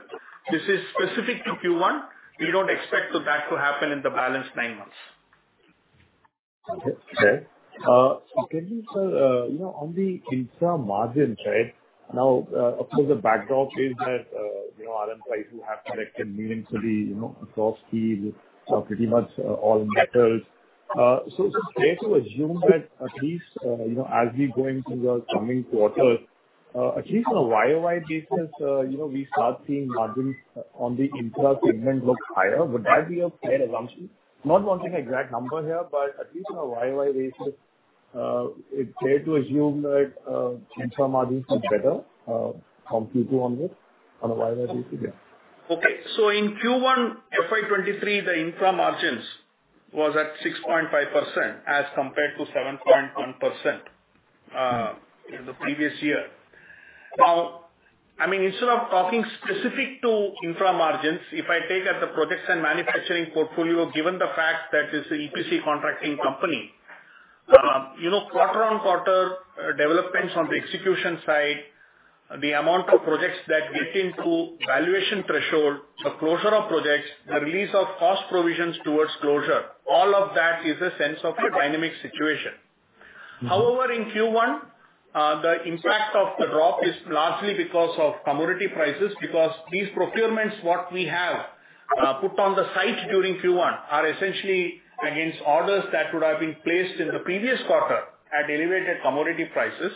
This is specific to Q1. We don't expect that to happen in the balance nine months. Okay. Secondly, sir, you know, on the infra margin trend, now, of course the backdrop is that, you know, L&T have collected meaningfully, you know, across steel, pretty much, all metals. Is it fair to assume that at least, you know, as we go into the coming quarters, at least on a YoY basis, you know, we start seeing margins on the infra segment look higher. Would that be a fair assumption? Not wanting an exact number here, but at least on a year-over-year basis, it's fair to assume that, infra margins are better, from Q2 onwards on a YoY basis. Okay. In Q1 FY 2023, the infra margins was at 6.5% as compared to 7.1%, in the previous year. Now, I mean, instead of talking specific to infra margins, if I take as a projects and manufacturing portfolio, given the fact that it's an EPC contracting company, you know, quarter-on-quarter developments on the execution side. The amount of projects that get into valuation threshold, the closure of projects, the release of cost provisions towards closure, all of that is a sense of a dynamic situation. However, in Q1, the impact of the drop is largely because of commodity prices, because these procurements, what we have, put on the site during Q1 are essentially against orders that would have been placed in the previous quarter at elevated commodity prices.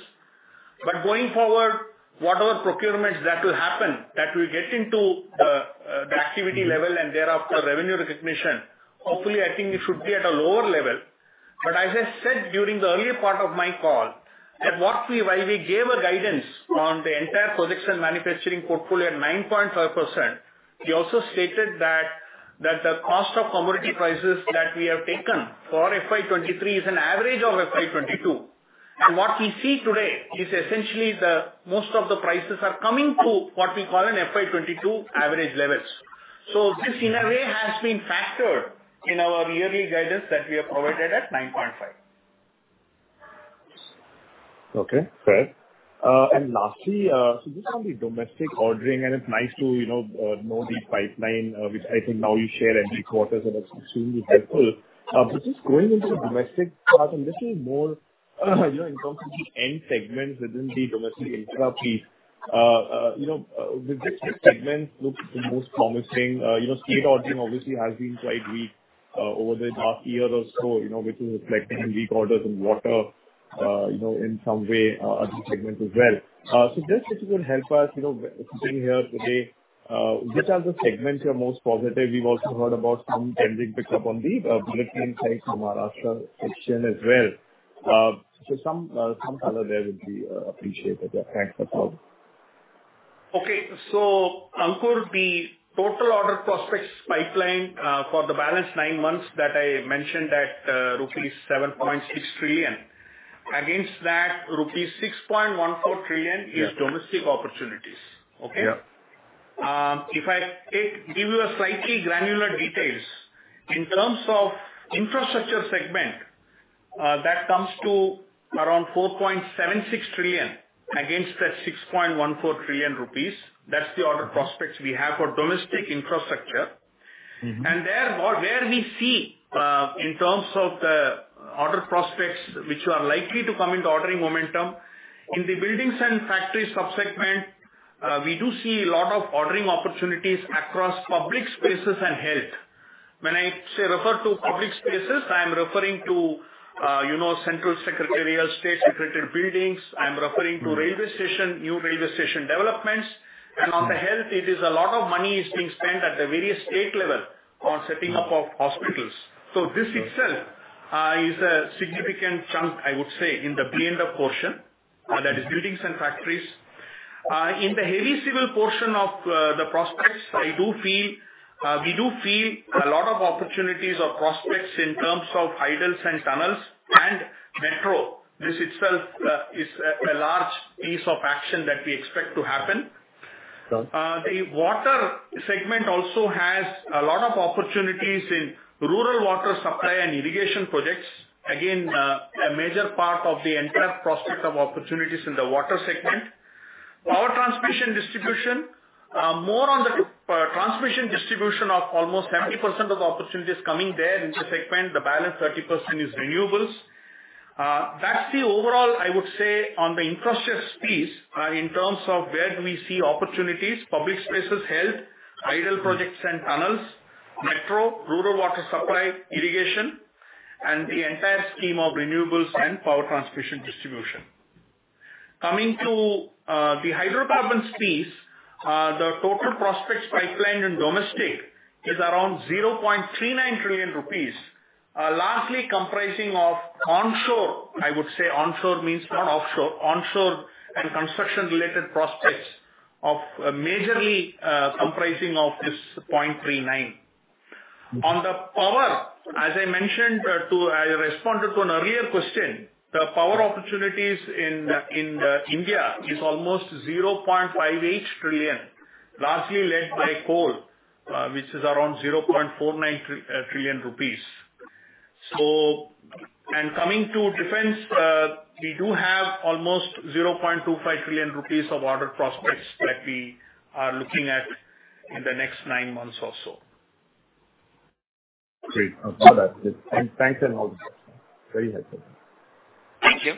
Going forward, whatever procurements that will happen, that will get into the the activity level and thereafter revenue recognition, hopefully, I think it should be at a lower level. As I said during the earlier part of my call, while we gave a guidance on the entire production manufacturing portfolio at 9.5%, we also stated that the cost of commodity prices that we have taken for FY 2023 is an average of FY 2022. What we see today is essentially most of the prices are coming to what we call an FY 2022 average levels. This in a way has been factored in our yearly guidance that we have provided at 9.5%. Okay, fair. Lastly, this is on the domestic ordering, and it's nice to, you know the pipeline, which I think now you share every quarter, so that's extremely helpful. Just going into the domestic part and just a little more, you know, in terms of the end segments within the domestic infra piece, you know, which segment looks the most promising? You know, state ordering obviously has been quite weak over the past year or so, you know, which is reflecting in weak orders in water, you know, in some way, other segments as well. Just if you could help us, you know, sitting here today, which are the segments you are most positive? We've also heard about some tendering pick up on the bullet train side from Maharashtra section as well. Some color there would be appreciated. Yeah. Thanks a ton. Okay. Ankur, the total order prospects pipeline for the balance nine months that I mentioned at rupees 7.6 trillion, against that rupees 6.14 trillion is domestic opportunities. Okay? Yeah. Give you a slightly granular details, in terms of infrastructure segment, that comes to around 4.76 trillion against that 6.14 trillion rupees. That's the order prospects we have for domestic infrastructure. Mm-hmm. There, where we see, in terms of the order prospects which are likely to come into ordering momentum, in the buildings and factories sub-segment, we do see a lot of ordering opportunities across public spaces and health. When I say refer to public spaces, I am referring to, you know, central secretariat, state secretariat buildings. I'm referring to railway station, new railway station developments. On the health, it is a lot of money is being spent at the various state level on setting up of hospitals. This itself is a significant chunk, I would say, in the B&F portion, that is buildings and factories. In the heavy civil portion of the prospects, I do feel, we do feel a lot of opportunities or prospects in terms of hydels and tunnels and metro. This itself is a large piece of action that we expect to happen. Sure. The water segment also has a lot of opportunities in rural water supply and irrigation projects. Again, a major part of the entire prospects of opportunities in the water segment. Power transmission and distribution, more on the transmission and distribution of almost 70% of opportunities coming there into segment. The balance 30% is renewables. That's the overall, I would say, on the infrastructure space, in terms of where do we see opportunities, public spaces, health, hydel projects and tunnels, metro, rural water supply, irrigation, and the entire scheme of renewables and power transmission and distribution. Coming to the hydrocarbons piece, the total prospects pipeline in domestic is around 0.39 trillion rupees, largely comprising of onshore, I would say onshore means not offshore. Onshore and construction-related prospects of majorly, comprising of this 0.39 trillion. Mm-hmm. On the power, as I mentioned, I responded to an earlier question, the power opportunities in India is almost 0.58 trillion, largely led by coal, which is around 0.49 trillion rupees. Coming to defense, we do have almost 0.25 trillion rupees of order prospects that we are looking at in the next nine months or so. Great. No, that's it. Thanks and all. Very helpful. Thank you.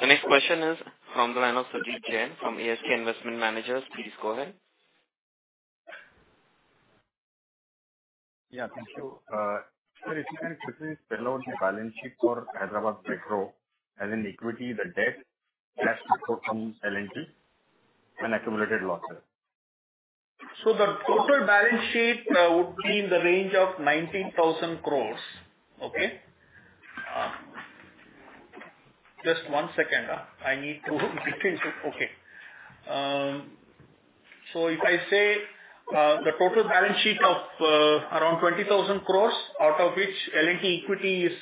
The next question is from the line of Sumit Jain from ASK Investment Managers. Please go ahead. Yeah, thank you. Sir, if you can quickly spell out the balance sheet for Hyderabad Metro as in equity, the debt as per from L&T and accumulated losses. The total balance sheet would be in the range of INR 19,000 crore. If I say the total balance sheet of around 20,000 crore, out of which L&T equity is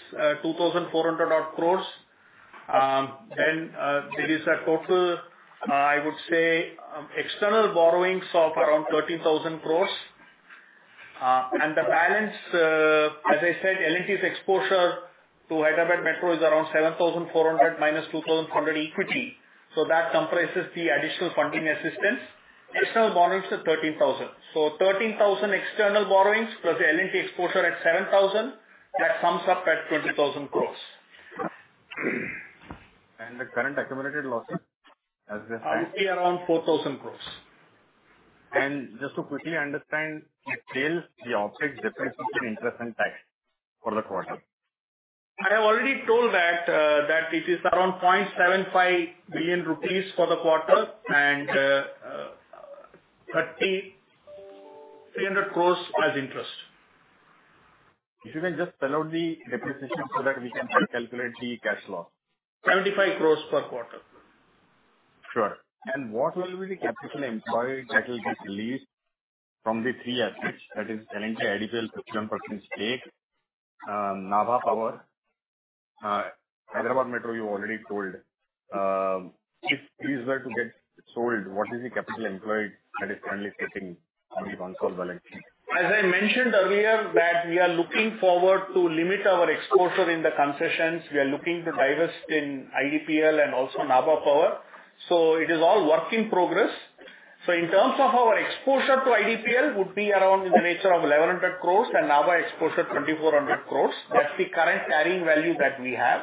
2,400 crore, then there is a total, I would say, external borrowings of around 13,000 crore. The balance, as I said, L&T's exposure to Hyderabad Metro is around 7,400 crore minus 2,400 crore equity. That comprises the additional funding assistance. External borrowings are 13,000 crore. 13,000 crore external borrowings plus the L&T exposure at 7,000 crore, that sums up at 20,000 crore. The current accumulated losses, as they stand? I see around 4,000 crore. Just to quickly understand the sales, the operating profit before interest and tax for the quarter. I have already told that it is around 0.75 billion rupees for the quarter and [300 crores] as interest. If you can just spell out the depreciation so that we can calculate the cash flow. 75 crore per quarter. Sure. What will be the capital employed that will get released from the three assets, that is L&T's additional 51% stake, Nabha Power, Hyderabad Metro, you already told. If these were to get sold, what is the capital employed that is currently sitting on the consolidated balance sheet? As I mentioned earlier that we are looking forward to limit our exposure in the concessions. We are looking to divest in IDPL and also Nabha Power. It is all work in progress. In terms of our exposure to IDPL would be around in the nature of 1,100 crore and Nabha exposure 2,400 crore. That's the current carrying value that we have.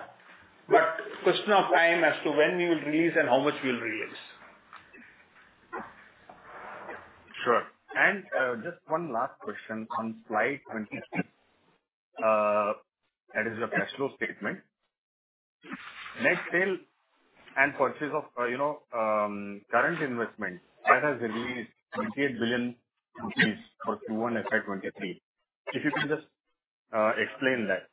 Question of time as to when we will release and how much we'll release. Sure. Just one last question on slide 20. That is a cash flow statement. Net sale and purchase of, you know, current investment that has released 28 billion rupees for Q1 FY 2023. If you can just explain that.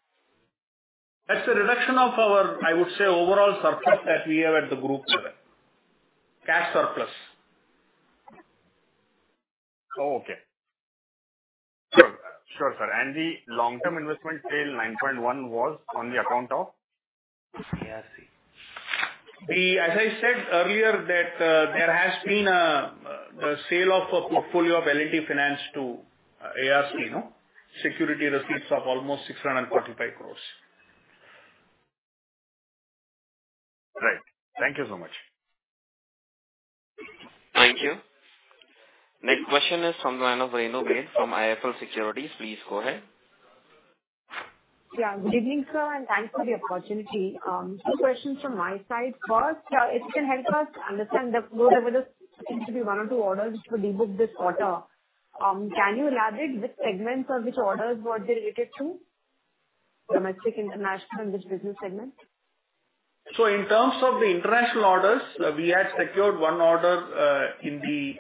That's the reduction of our, I would say, overall surplus that we have at the group level. Cash surplus. Oh, okay. Sure. Sure sir. The long-term investment sale, 9.1 crore, was on the account of ARC? As I said earlier that there has been a sale of a portfolio of L&T Finance to ARC, no? Security receipts of almost 645 crore. Right. Thank you so much. Thank you. Next question is from the line of Renu Baid from IIFL Securities. Please go ahead. Yeah. Good evening, sir, and thanks for the opportunity. Two questions from my side. First, it can help us understand the flow. There seems to be one or two orders which were debooked this quarter. Can you elaborate which segments or which orders were they related to? Domestic, international, which business segment? In terms of the international orders, we had secured one order in the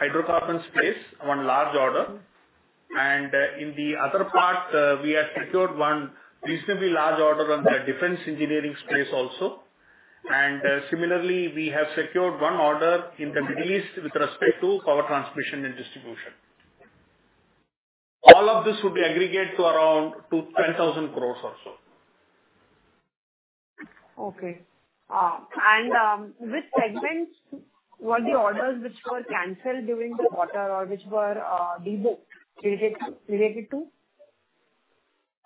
hydrocarbon space, one large order. In the other part, we had secured one reasonably large order on the defense engineering space also. Similarly, we have secured one order in the Middle East with respect to power transmission and distribution. All of this would aggregate to around 10,000 crore or so. Okay. Which segments were the orders which were canceled during the quarter or which were debooked related to?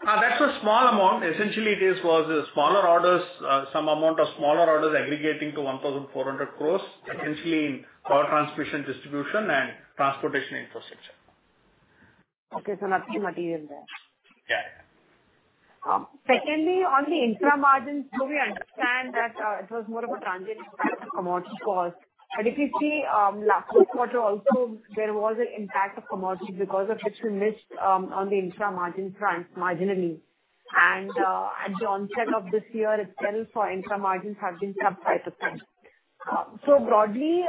That's a small amount. Essentially, it was smaller orders aggregating to 1,400 crores, essentially in power transmission, distribution and transportation infrastructure. Okay. Nothing material there. Yeah. Secondly, on the infra margins, so we understand that it was more of a transient impact of commodity costs. If you see, last quarter also there was an impact of commodity because of which we missed on the infra margin front marginally. At the onset of this year as well, infra margins have been sub-5%. Broadly,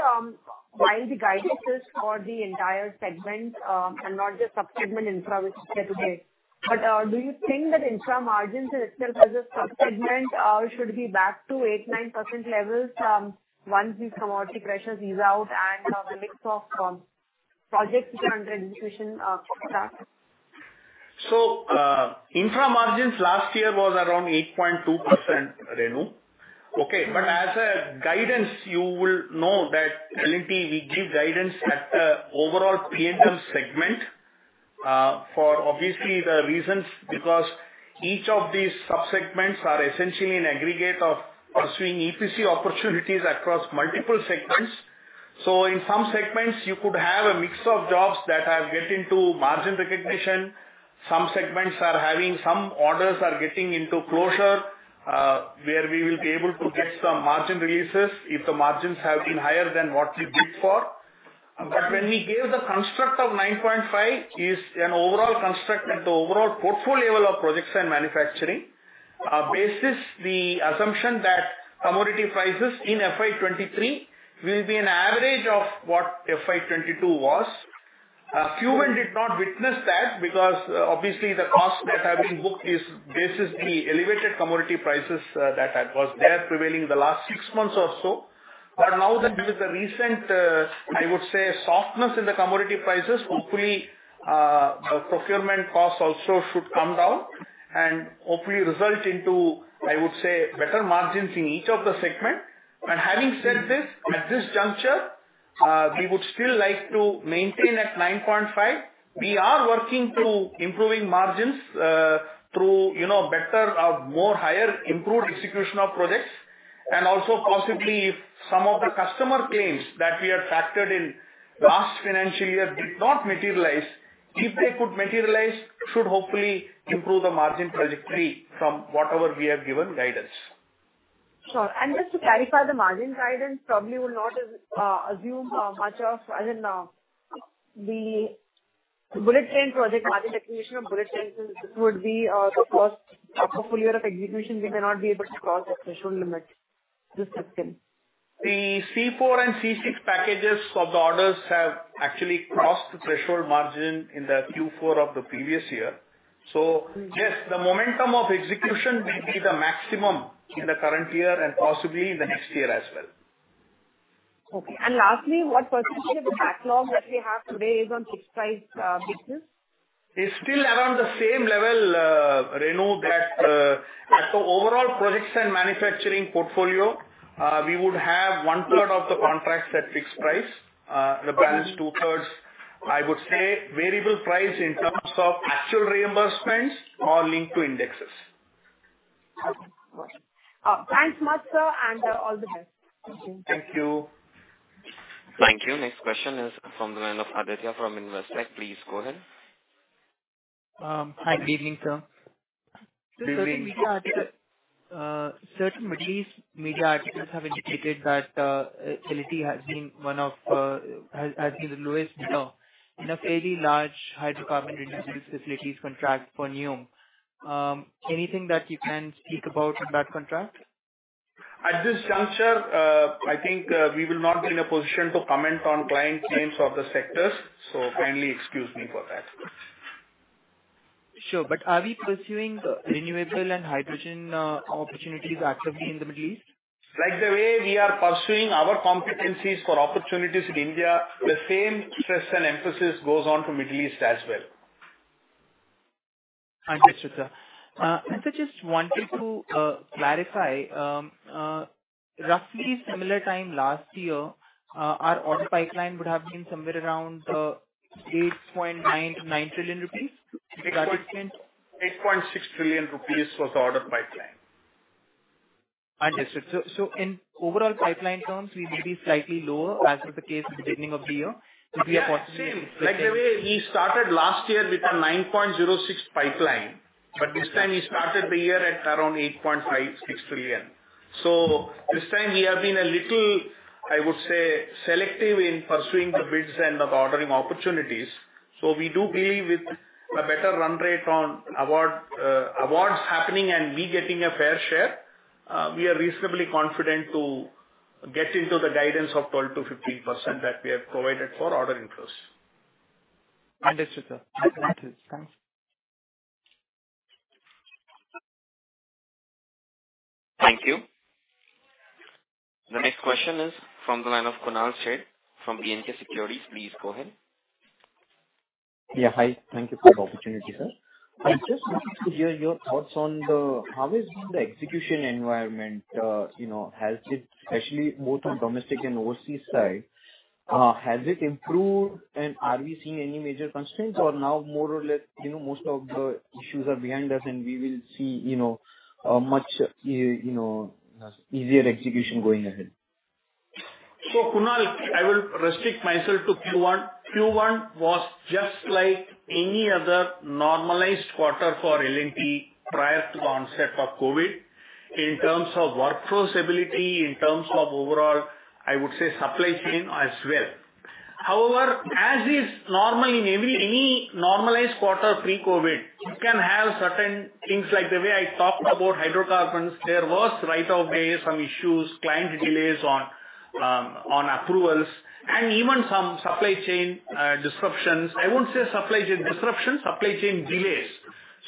while the guidance is for the entire segment and not just subsegment infra, which is there today, do you think that infra margins itself as a subsegment should be back to 8%-9% levels once these commodity pressures ease out and the mix of projects which are under execution pick up? Infra margins last year was around 8.2%, Renu. Okay? As a guidance, you will know that L&T, we give guidance at the overall P&L segment, for obviously the reasons because each of these subsegments are essentially an aggregate of pursuing EPC opportunities across multiple segments. In some segments you could have a mix of jobs that are getting to margin recognition. Some segments are having some orders are getting into closure, where we will be able to get some margin releases if the margins have been higher than what we bid for. When we gave the construct of 9.5%, is an overall construct at the overall portfolio level of projects and manufacturing, basis the assumption that commodity prices in FY 2023 will be an average of what FY 2022 was. Q1 did not witness that because obviously the costs that have been booked is basis the elevated commodity prices that was prevailing the last six months or so. Now that with the recent, I would say softness in the commodity prices, hopefully, procurement costs also should come down and hopefully result into, I would say, better margins in each of the segment. Having said this, at this juncture, we would still like to maintain at 9.5%. We are working through improving margins, through, you know, better or more higher improved execution of projects, and also possibly if some of the customer claims that we have factored in last financial year did not materialize. If they could materialize, should hopefully improve the margin trajectory from whatever we have given guidance. Sure. Just to clarify, the margin guidance probably will not assume much of, I mean, the bullet train project. Margin execution of bullet trains would be the first proper full year of execution. We cannot be able to cross the threshold limit this fiscal. The C4 and C6 packages of the orders have actually crossed the threshold margin in the Q4 of the previous year. Yes, the momentum of execution will be the maximum in the current year and possibly the next year as well. Okay. Lastly, what percentage of the backlog that we have today is on fixed-price business? It's still around the same level, Renu, that at the overall projects and manufacturing portfolio, we would have 1/3 of the contracts at fixed price. The balance 2/3, I would say variable price in terms of actual reimbursements or linked to indexes. Okay. Got it. Thanks much, sir, and all the best. Thank you. Thank you. Thank you. Next question is from the line of Aditya from Investec. Please go ahead. Hi. Good evening, sir. Good evening. Sir, certain Middle East media articles have indicated that L&T has been the lowest bidder in a fairly large hydrocarbon production facilities contract for NEOM. Anything that you can speak about on that contract? At this juncture, I think, we will not be in a position to comment on client names or the sectors, so kindly excuse me for that. Sure. Are we pursuing renewable and hydrogen opportunities actively in the Middle East? Like the way we are pursuing our competencies for opportunities in India, the same stress and emphasis goes on to Middle East as well. Understood, sir. I just wanted to clarify, roughly similar time last year, our order pipeline would have been somewhere around 8.9 trillion-9 trillion rupees. Is that it been. 8.6 trillion rupees was the order pipeline. Understood. In overall pipeline terms, we will be slightly lower as was the case in the beginning of the year. Could we have possibly? Yeah, same. Like the way we started last year with a 9.06 trillion pipeline, but this time we started the year at around 8.56 trillion. This time we have been a little, I would say, selective in pursuing the bids and the ordering opportunities. We do believe with a better run rate on award, awards happening and we getting a fair share, we are reasonably confident to get into the guidance of 12%-15% that we have provided for order inflows. Understood, sir. Understood. Thanks. Thank you. The next question is from the line of Kunal Shah from BNP Securities. Please go ahead. Yeah. Hi. Thank you for the opportunity, sir. I just wanted to hear your thoughts on how is the execution environment, you know, has it especially both on domestic and overseas side, has it improved and are we seeing any major constraints or now more or less, you know, most of the issues are behind us and we will see, you know, a much easier execution going ahead. Kunal, I will restrict myself to Q1. Q1 was just like any other normalized quarter for L&T prior to the onset of COVID. In terms of workforce ability, in terms of overall, I would say, supply chain as well. However, as is normal in any normalized quarter pre-COVID, you can have certain things like the way I talked about hydrocarbons, there was write-off, there are some issues, client delays on on approvals and even some supply chain disruptions. I won't say supply chain disruptions, supply chain delays.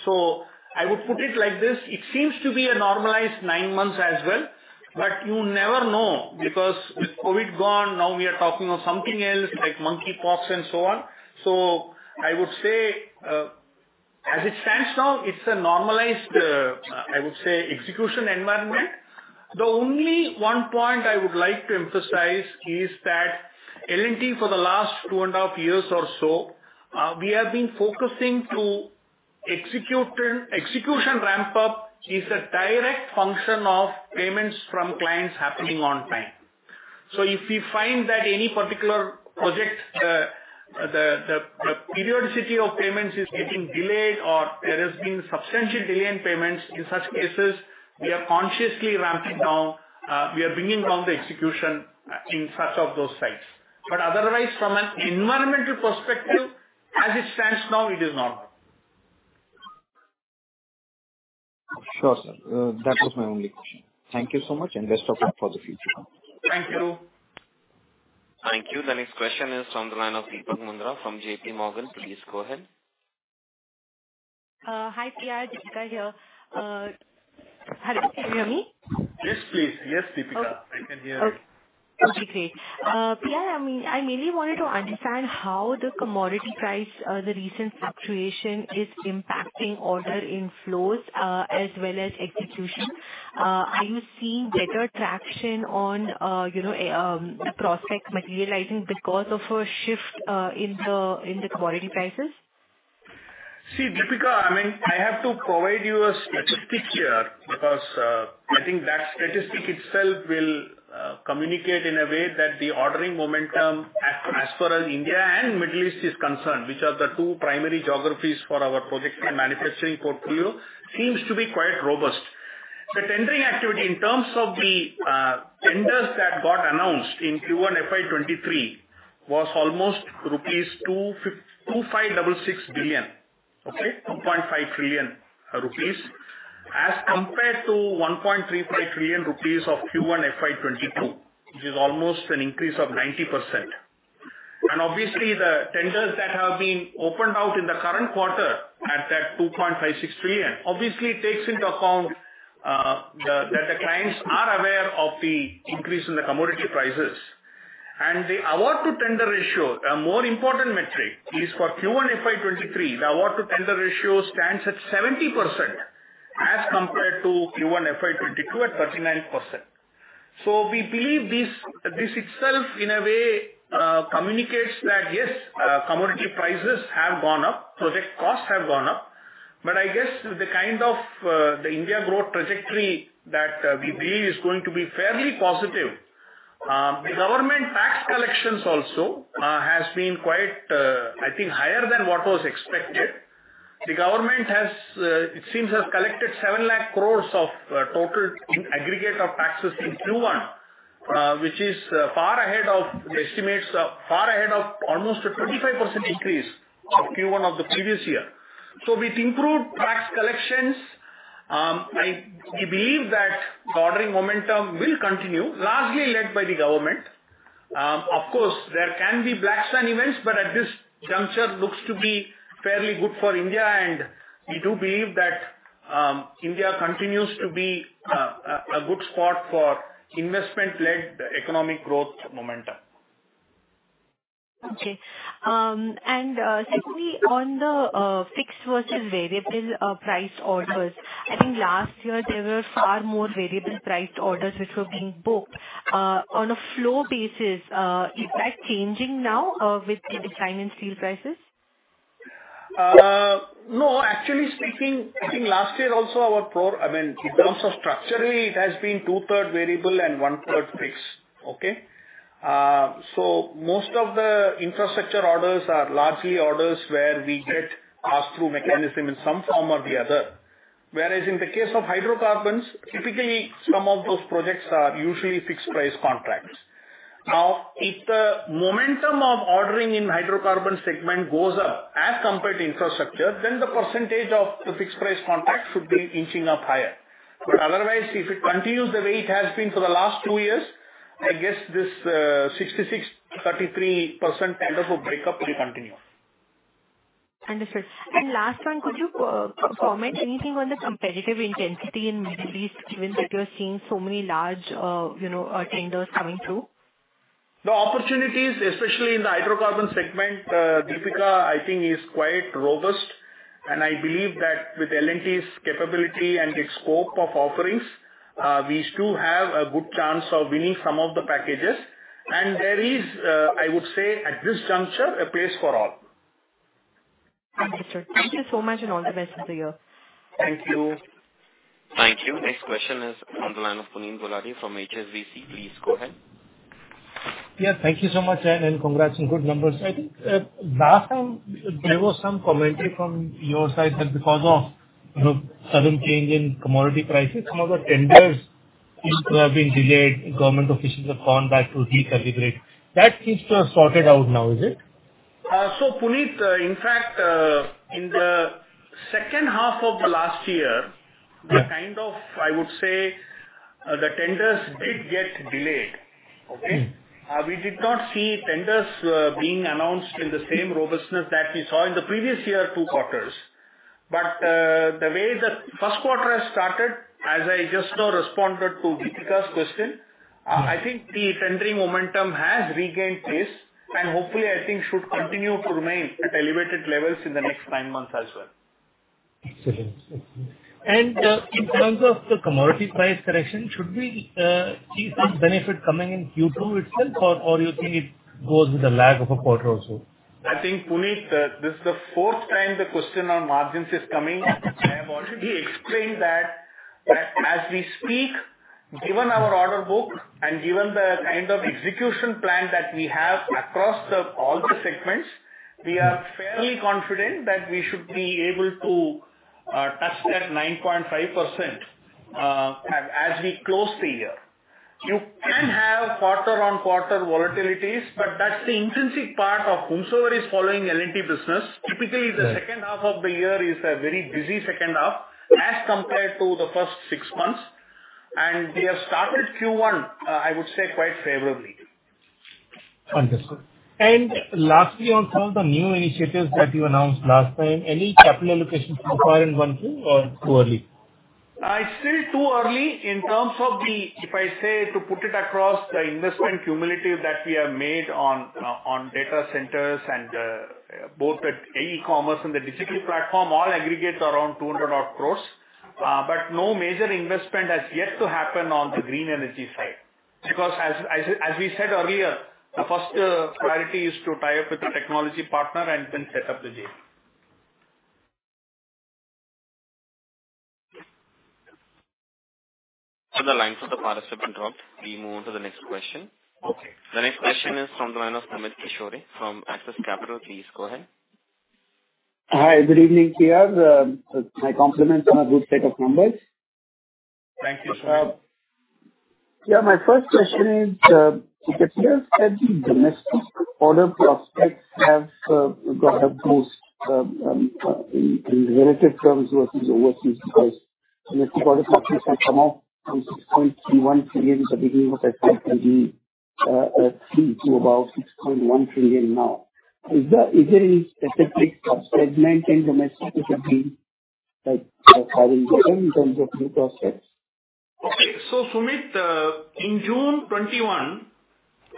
I would put it like this. It seems to be a normalized nine months as well, but you never know because with COVID gone, now we are talking of something else like monkeypox and so on. I would say, as it stands now, it's a normalized, I would say, execution environment. The only one point I would like to emphasize is that L&T for the last two and a half years or so, we have been focusing on execution ramp-up is a direct function of payments from clients happening on time. If we find that any particular project, the periodicity of payments is getting delayed or there has been substantial delay in payments, in such cases we are consciously ramping down, we are bringing down the execution, in such of those sites. Otherwise from an environmental perspective, as it stands now, it is normal. Sure, sir. That was my only question. Thank you so much and best of luck for the future. Thank you. Thank you. The next question is from the line of Deepika Mundra from JPMorgan. Please go ahead. Hi, PR. Deepika here. Can you hear me? Yes, please. Yes, Deepika, I can hear you. Okay, great. P. Ramakrishnan, I mean, I mainly wanted to understand how the commodity price, the recent fluctuation is impacting order inflows, as well as execution. Are you seeing better traction on, you know, the prospects materializing because of a shift, in the commodity prices? See, Deepika, I mean, I have to provide you a statistic here because, I think that statistic itself will communicate in a way that the ordering momentum as far as India and Middle East is concerned, which are the two primary geographies for our projects and manufacturing portfolio, seems to be quite robust. The tendering activity in terms of the tenders that got announced in Q1 FY 2023 was almost 2.5 trillion rupees, as compared to 1.35 trillion rupees of Q1 FY 2022, which is almost an increase of 90%. Obviously, the tenders that have been opened out in the current quarter at that 2.56 trillion obviously takes into account that the clients are aware of the increase in the commodity prices. The award to tender ratio, a more important metric, is for Q1 FY 2023, the award to tender ratio stands at 70% as compared to Q1 FY 2022 at 39%. We believe this itself in a way communicates that, yes, commodity prices have gone up, project costs have gone up, but I guess the kind of the India growth trajectory that we believe is going to be fairly positive. The government tax collections also has been quite, I think higher than what was expected. The government has, it seems, has collected 7 lakh crore of total in aggregate of taxes in Q1, which is far ahead of the estimates of, far ahead of almost a 25% increase of Q1 of the previous year. With improved tax collections, we believe that the ordering momentum will continue, largely led by the government. Of course, there can be black swan events, but at this juncture, it looks to be fairly good for India, and we do believe that India continues to be a good spot for investment-led economic growth momentum. Okay. Secondly, on the fixed versus variable price orders, I think last year there were far more variable priced orders which were being booked. On a flow basis, is that changing now, with the decline in steel prices? No. Actually speaking, I think last year also, I mean, in terms of structurally it has been 2/3 variable and 1/3 fixed. Okay? Most of the infrastructure orders are largely orders where we get pass-through mechanism in some form or the other. Whereas in the case of hydrocarbons, typically some of those projects are usually fixed-price contracts. Now, if the momentum of ordering in hydrocarbon segment goes up as compared to infrastructure, then the percentage of the fixed price contract should be inching up higher. Otherwise, if it continues the way it has been for the last two years, I guess this 66%-33% tender book break up will continue. Understood. Last one, could you comment anything on the competitive intensity in Middle East given that you're seeing so many large, you know, tenders coming through? The opportunities, especially in the hydrocarbon segment, Deepika, I think is quite robust, and I believe that with L&T's capability and its scope of offerings, we still have a good chance of winning some of the packages. There is, I would say at this juncture, a place for all. Understood. Thank you so much, and all the best for the year. Thank you. Thank you. Next question is on the line of Puneet Gulati from HSBC. Please go ahead. Yeah, thank you so much, and congrats on good numbers. I think last time there was some commentary from your side that because of, you know, sudden change in commodity prices, some of the tenders seem to have been delayed. Government officials have gone back to recalibrate. That seems to have sorted out now, is it? Puneet, in fact, in the second half of the last year. Yeah. We kind of, I would say, the tenders did get delayed. Okay? Mm-hmm. We did not see tenders being announced in the same robustness that we saw in the previous year, two quarters. The way the first quarter has started, as I just now responded to Deepika's question. Mm-hmm. I think the tendering momentum has regained pace, and hopefully, I think should continue to remain at elevated levels in the next nine months as well. Excellent. Thanks. In terms of the commodity price correction, should we see some benefit coming in Q2 itself, or you think it goes with a lag of a quarter or so? I think, Puneet, this is the fourth time the question on margins is coming. I have already explained that as we speak, given our order book and given the kind of execution plan that we have across all the segments, we are fairly confident that we should be able to touch that 9.5%, as we close the year. You can have quarter-on-quarter volatilities, but that's the intrinsic part of whosoever is following L&T business. Right. Typically, the second half of the year is a very busy second half as compared to the first six months. We have started Q1, I would say, quite favorably. Understood. Lastly, on some of the new initiatives that you announced last time, any capital allocation so far in one, two, or it's too early? It's still too early in terms of the investment cumulative that we have made on data centers and both at e-commerce and the digital platform all aggregate around 200 crores. No major investment has yet to happen on the green energy side. Because as we said earlier, the first priority is to tie up with the technology partner and then set up the JV. The line for the participant dropped. We move on to the next question. Okay. The next question is from the line of Sumit Kishore from Axis Capital. Please go ahead. Hi, good evening, PR. My compliments on a good set of numbers. Thank you, Sumit. Yeah, my first question is, you said the domestic order prospects have got helped most, in relative terms versus overseas because domestic order prospects have come up from 6.31 trillion in the beginning of that year, to about 6.1 trillion now. Is there any specific sub-segment in domestic which have been, like, having gain in terms of new prospects? Sumit, in June 2021,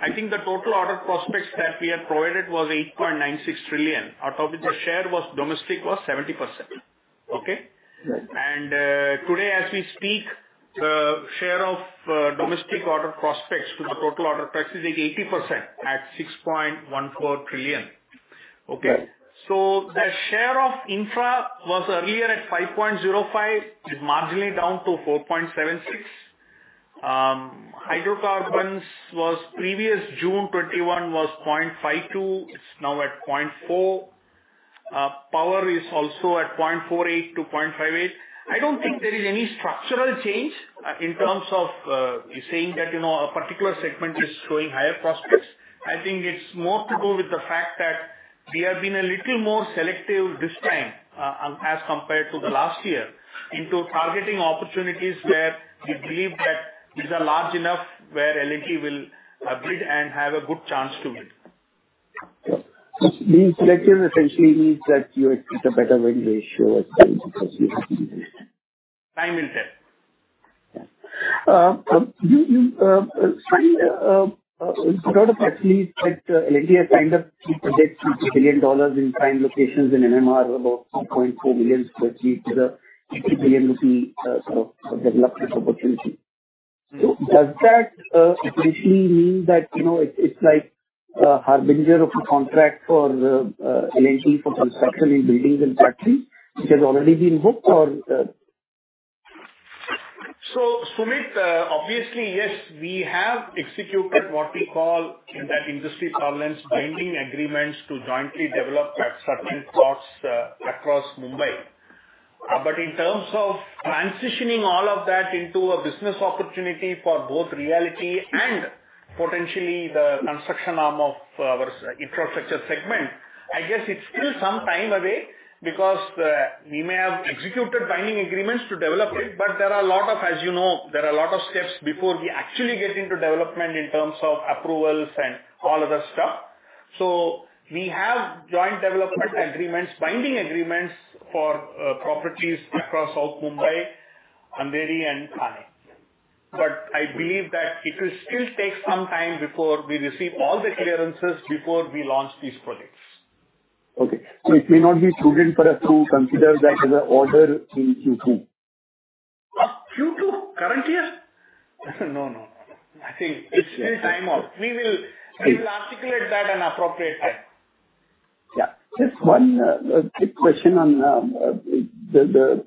I think the total order prospects that we had provided was 8.96 trillion. Out of which the domestic share was 70%. Right. Today as we speak, the share of domestic order prospects to the total order prospects is 80% at 6.14 trillion. Okay? Right. The share of infra was earlier at 5.05%. It's marginally down to 4.76%. Hydrocarbons was previously June 2021 0.52%. It's now at 0.4%. Power is also at 0.48%-0.58%. I don't think there is any structural change in terms of saying that, you know, a particular segment is showing higher prospects. I think it's more to do with the fact that we have been a little more selective this time, as compared to the last year, in targeting opportunities where we believe that these are large enough where L&T will bid and have a good chance to win. Okay. These selections essentially means that you expect a better win ratio as time progresses. Time will tell. Yeah, you said in the product actually that L&T has signed up three projects, $50 billion in prime locations in MMR, about 2.4 billion sq ft with an 80 billion rupee sort of development opportunity. Does that essentially mean that, you know, it's like a harbinger of a contract for the L&T for construction in Buildings & Factories which has already been booked or? Sumit, obviously, yes, we have executed what we call in that industry parlance binding agreements to jointly develop certain plots across Mumbai. In terms of transitioning all of that into a business opportunity for both L&T Realty and potentially the construction arm of our infrastructure segment, I guess it's still some time away because we may have executed binding agreements to develop it, but, as you know, there are a lot of steps before we actually get into development in terms of approvals and all other stuff. We have joint development agreements, binding agreements for properties across South Mumbai, Andheri, and Thane. I believe that it will still take some time before we receive all the clearances before we launch these projects. Okay. It may not be prudent for us to consider that as an order in Q2? Q2 currently? No. I think it takes time off. We will. Okay. We will articulate that at an appropriate time. Yeah. Just one quick question on the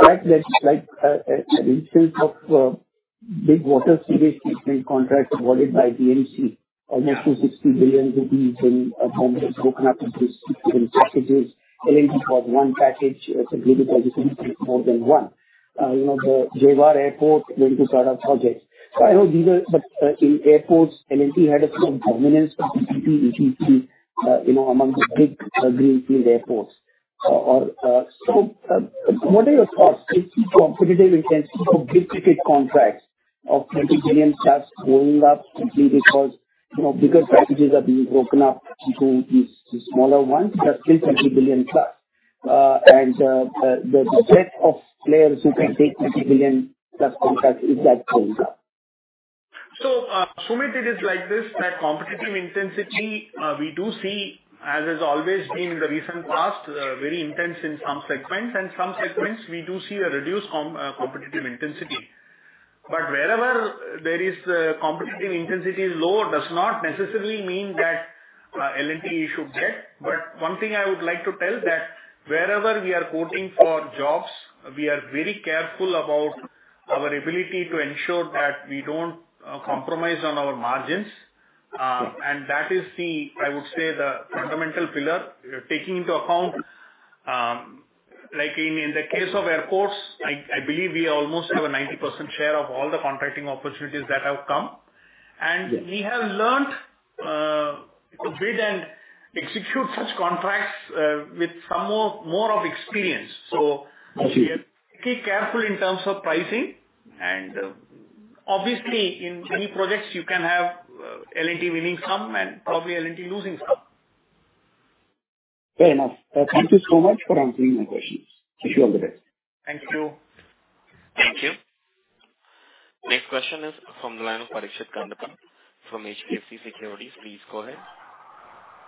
fact that like an instance of big water sewage treatment contract awarded by BMC almost 260 billion rupees in contracts broken up into six different packages. L&T got one package. It's agreed upon this will take more than one. You know, the Jawaharlal Nehru Airport, many such projects. I know these are. In airports L&T had a sort of dominance with CHP, ETP, you know, among the big greenfield airports. What are your thoughts? Is the competitive intensity for big ticket contracts of 20 billion plus going up simply because, you know, bigger packages are being broken up into these smaller ones that are still 20 billion plus? The set of players who can take 20 billion+ contracts, is that going up? Sumit, it is like this, that competitive intensity, we do see as has always been in the recent past, very intense in some segments, and some segments we do see a reduced competitive intensity. Wherever there is competitive intensity is low does not necessarily mean that L&T should get. One thing I would like to tell that wherever we are quoting for jobs, we are very careful about our ability to ensure that we don't compromise on our margins. That is the, I would say, the fundamental pillar, taking into account, like in the case of airports, I believe we almost have a 90% share of all the contracting opportunities that have come. Yes. We have learned to bid and execute such contracts with some more experience. Okay. We are pretty careful in terms of pricing and obviously in many projects you can have L&T winning some and probably L&T losing some. Fair enough. Thank you so much for answering my questions. Wish you all the best. Thank you. Thank you. Next question is from the line of Parikshit Kandpal from HDFC Securities. Please go ahead.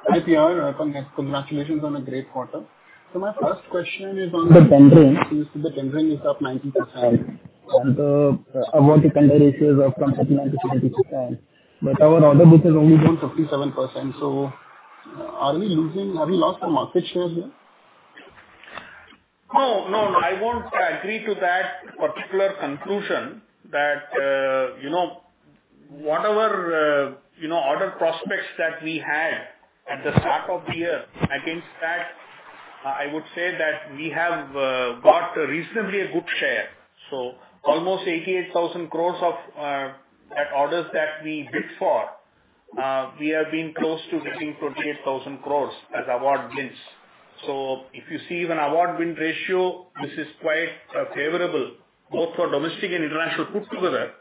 Hi, PR. Congratulations on a great quarter. My first question is on the tendering. We see the tendering is up 90% and the award to tender ratio is up from 79% to 70%. Our order book has only grown 57%, so have we lost our market share here? No, no. I won't agree to that particular conclusion that, you know, whatever, order prospects that we had at the start of the year, against that, I would say that we have got reasonably a good share. Almost 88,000 crore of orders that we bid for, we have been close to getting 28,000 crore as award wins. If you see even award win ratio, this is quite favorable both for domestic and international put together.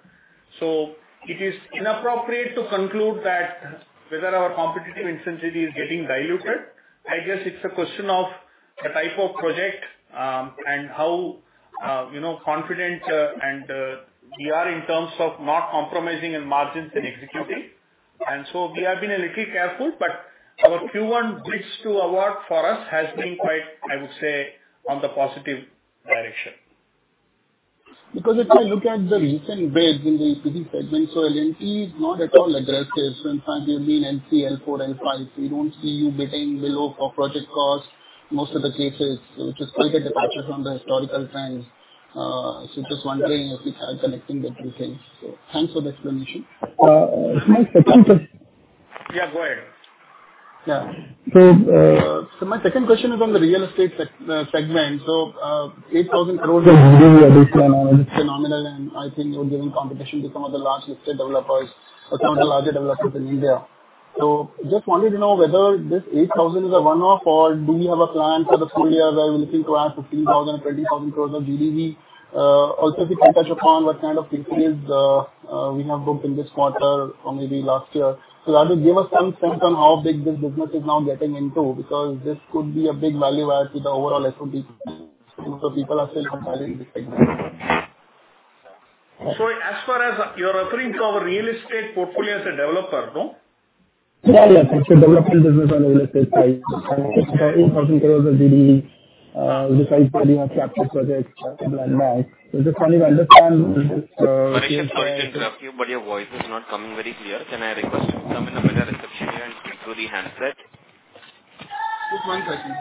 It is inappropriate to conclude that whether our competitive intensity is getting diluted. I guess it's a question of the type of project, and how, you know, confident, and, we are in terms of not compromising in margins and executing. We have been a little careful, but our Q1 bids to award for us has been quite, I would say, on the positive direction. Because if I look at the recent bids in the HC segment, so L&T is not at all aggressive. In fact, you've been L3, L4, L5. We don't see you bidding below for project costs most of the cases, which is quite a departure from the historical trends. Just wondering if we are connecting the two things. Thanks for the explanation. My second. Yeah, go ahead. My second question is on the real estate segment. 8,000 crore of GDV addition, I mean, it's phenomenal, and I think you're giving competition to some of the large listed developers or some of the larger developers in India. Just wanted to know whether this 8,000 crore is a one-off or do we have a plan for the full year where we're looking to add 15,000 crore, 20,000 crore of GDV? Also if you can touch upon what kind of pre-sales we have booked in this quarter or maybe last year. Rather give us some sense on how big this business is now getting into because this could be a big value add to the overall. Most of people are still not valuing this segment. As far as you're referring to our real estate portfolio as a developer, no? Yeah, yeah. It's a development business on the real estate side. 8,000 crore of GDV. Besides the new captive projects in Mumbai. Just wanted to understand this. Parikshit, sorry to interrupt you, but your voice is not coming very clear. Can I request you to come in the middle reception area and speak through the handset? Just one second.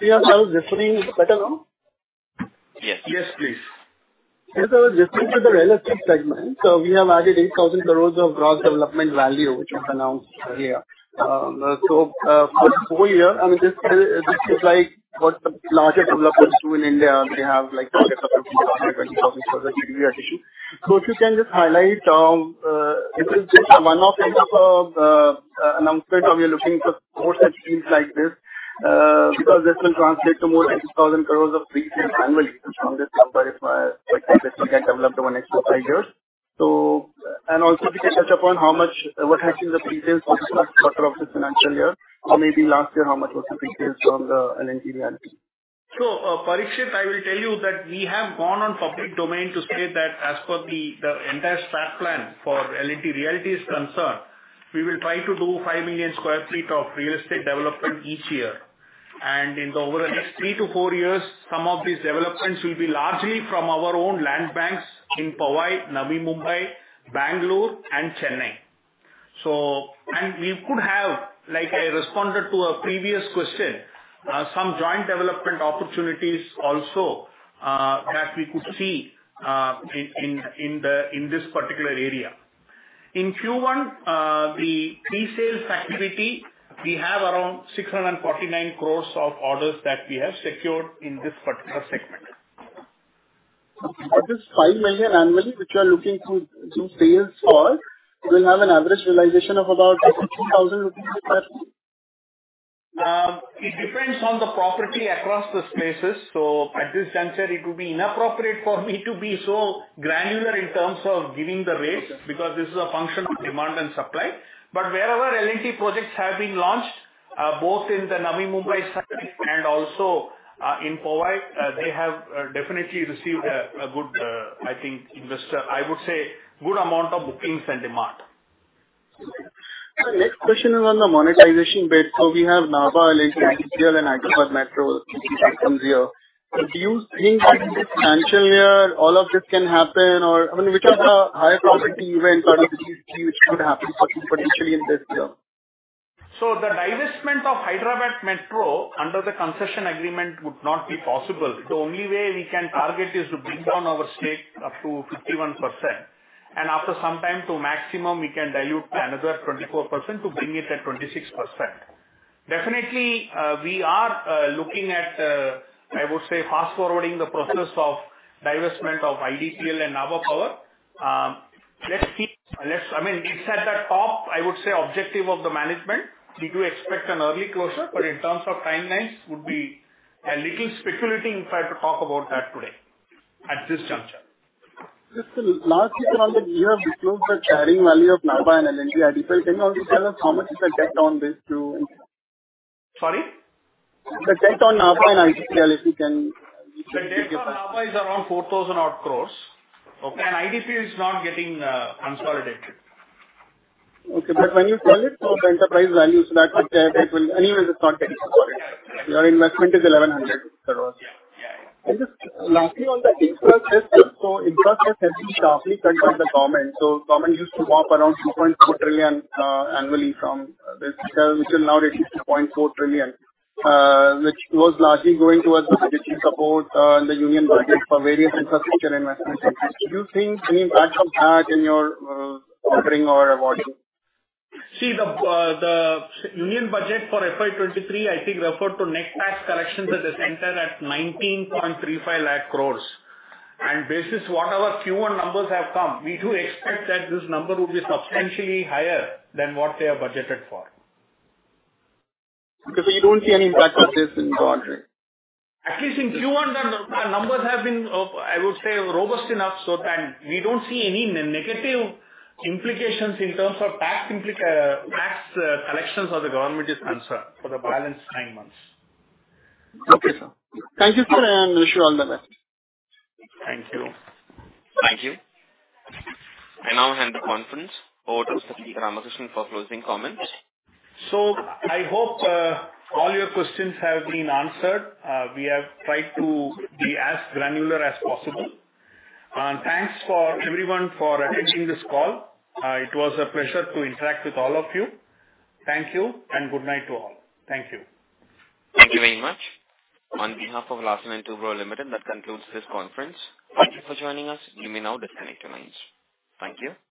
Yeah. Is it better now? Yes. Yes, please. As I was referring to the real estate segment, we have added 8,000 crore of gross development value, which you've announced earlier. For the full year, I mean, this is like what the larger developers do in India. They have like INR 20,000 crore-INR 27,000 crore of GDV addition. If you can just highlight if it is just a one-off kind of announcement or we are looking for more such deals like this, because this will translate to more than 2,000 crore of pre-sales annually from this number if this project develops over the next two to five years. And also if you can touch upon what has been the pre-sales for this first quarter of the financial year or maybe last year, how much was the pre-sales from the L&T Realty? Parikshit, I will tell you that we have gone on public domain to state that as per the entire strategic plan for L&T Realty is concerned, we will try to do 5 million sq ft of real estate development each year. Over the next three to four years, some of these developments will be largely from our own land banks in Powai, Navi Mumbai, Bangalore and Chennai. We could have, like I responded to a previous question, some joint development opportunities also that we could see in this particular area. In Q1, the pre-sales activity, we have around 649 crore of orders that we have secured in this particular segment. Of this 5 million annually, which you are looking to do sales for, will have an average realization of about 60,000 rupees per sq ft? It depends on the property across the spaces. At this juncture it would be inappropriate for me to be so granular in terms of giving the rates, because this is a function of demand and supply. Wherever L&T projects have been launched, both in the Navi Mumbai side and also in Powai, they have definitely received a good, I think, I would say good amount of bookings and demand. My next question is on the monetization bit. We have Nabha Power, IDPL and Hyderabad Metro which comes here. Do you think in this financial year all of this can happen or, I mean, which of the higher probability events or the deals which could happen for you, particularly in this year? The divestment of Hyderabad Metro under the concession agreement would not be possible. The only way we can target is to bring down our stake up to 51%, and after some time to maximum, we can dilute another 24% to bring it at 26%. Definitely, we are looking at, I would say fast-forwarding the process of divestment of IDPL and Nabha Power. I mean, it's at the top, I would say, objective of the management. We do expect an early closure, but in terms of timelines, would be a little speculating if I had to talk about that today at this juncture. Just, lastly, on the year-end disclosed carrying value of Nabha Power. Can you also tell us how much is the debt on this too? Sorry? The debt on Nabha and IDPL, if you can. The debt on Nabha is around 4,000 crore. Okay. IDPL is not getting consolidated. Okay. When you sell it, the enterprise value is that. Anyway, it's not getting consolidated. Your investment is 1,100 crores. Yeah. Just lastly, on the infrastructure. Infrastructure has been sharply cut by the government. Government used to mop around 2.2 trillion annually from this, which is now reduced to 0.4 trillion, which was largely going towards the fiscal support in the Union Budget for various infrastructure investments. Do you think any impact from that in your offering or awards? The Union Budget for FY 2023, I think, referred to net tax collections at the center at 19.35 lakh crore. This is whatever Q1 numbers have come. We do expect that this number will be substantially higher than what they have budgeted for. Okay. You don't see any impact of this in your offering? At least in Q1, our numbers have been up, I would say, robust enough so that we don't see any negative implications in terms of tax collections as far as the government is concerned for the balance nine months. Okay, sir. Thank you, sir, and wish you all the best. Thank you. Thank you. I now hand the conference over to Mr. Ramakrishnan for closing comments. I hope all your questions have been answered. We have tried to be as granular as possible. Thanks to everyone for attending this call. It was a pleasure to interact with all of you. Thank you and good night to all. Thank you. Thank you very much. On behalf of Larsen & Toubro Limited, that concludes this conference. Thank you for joining us. You may now disconnect your lines. Thank you.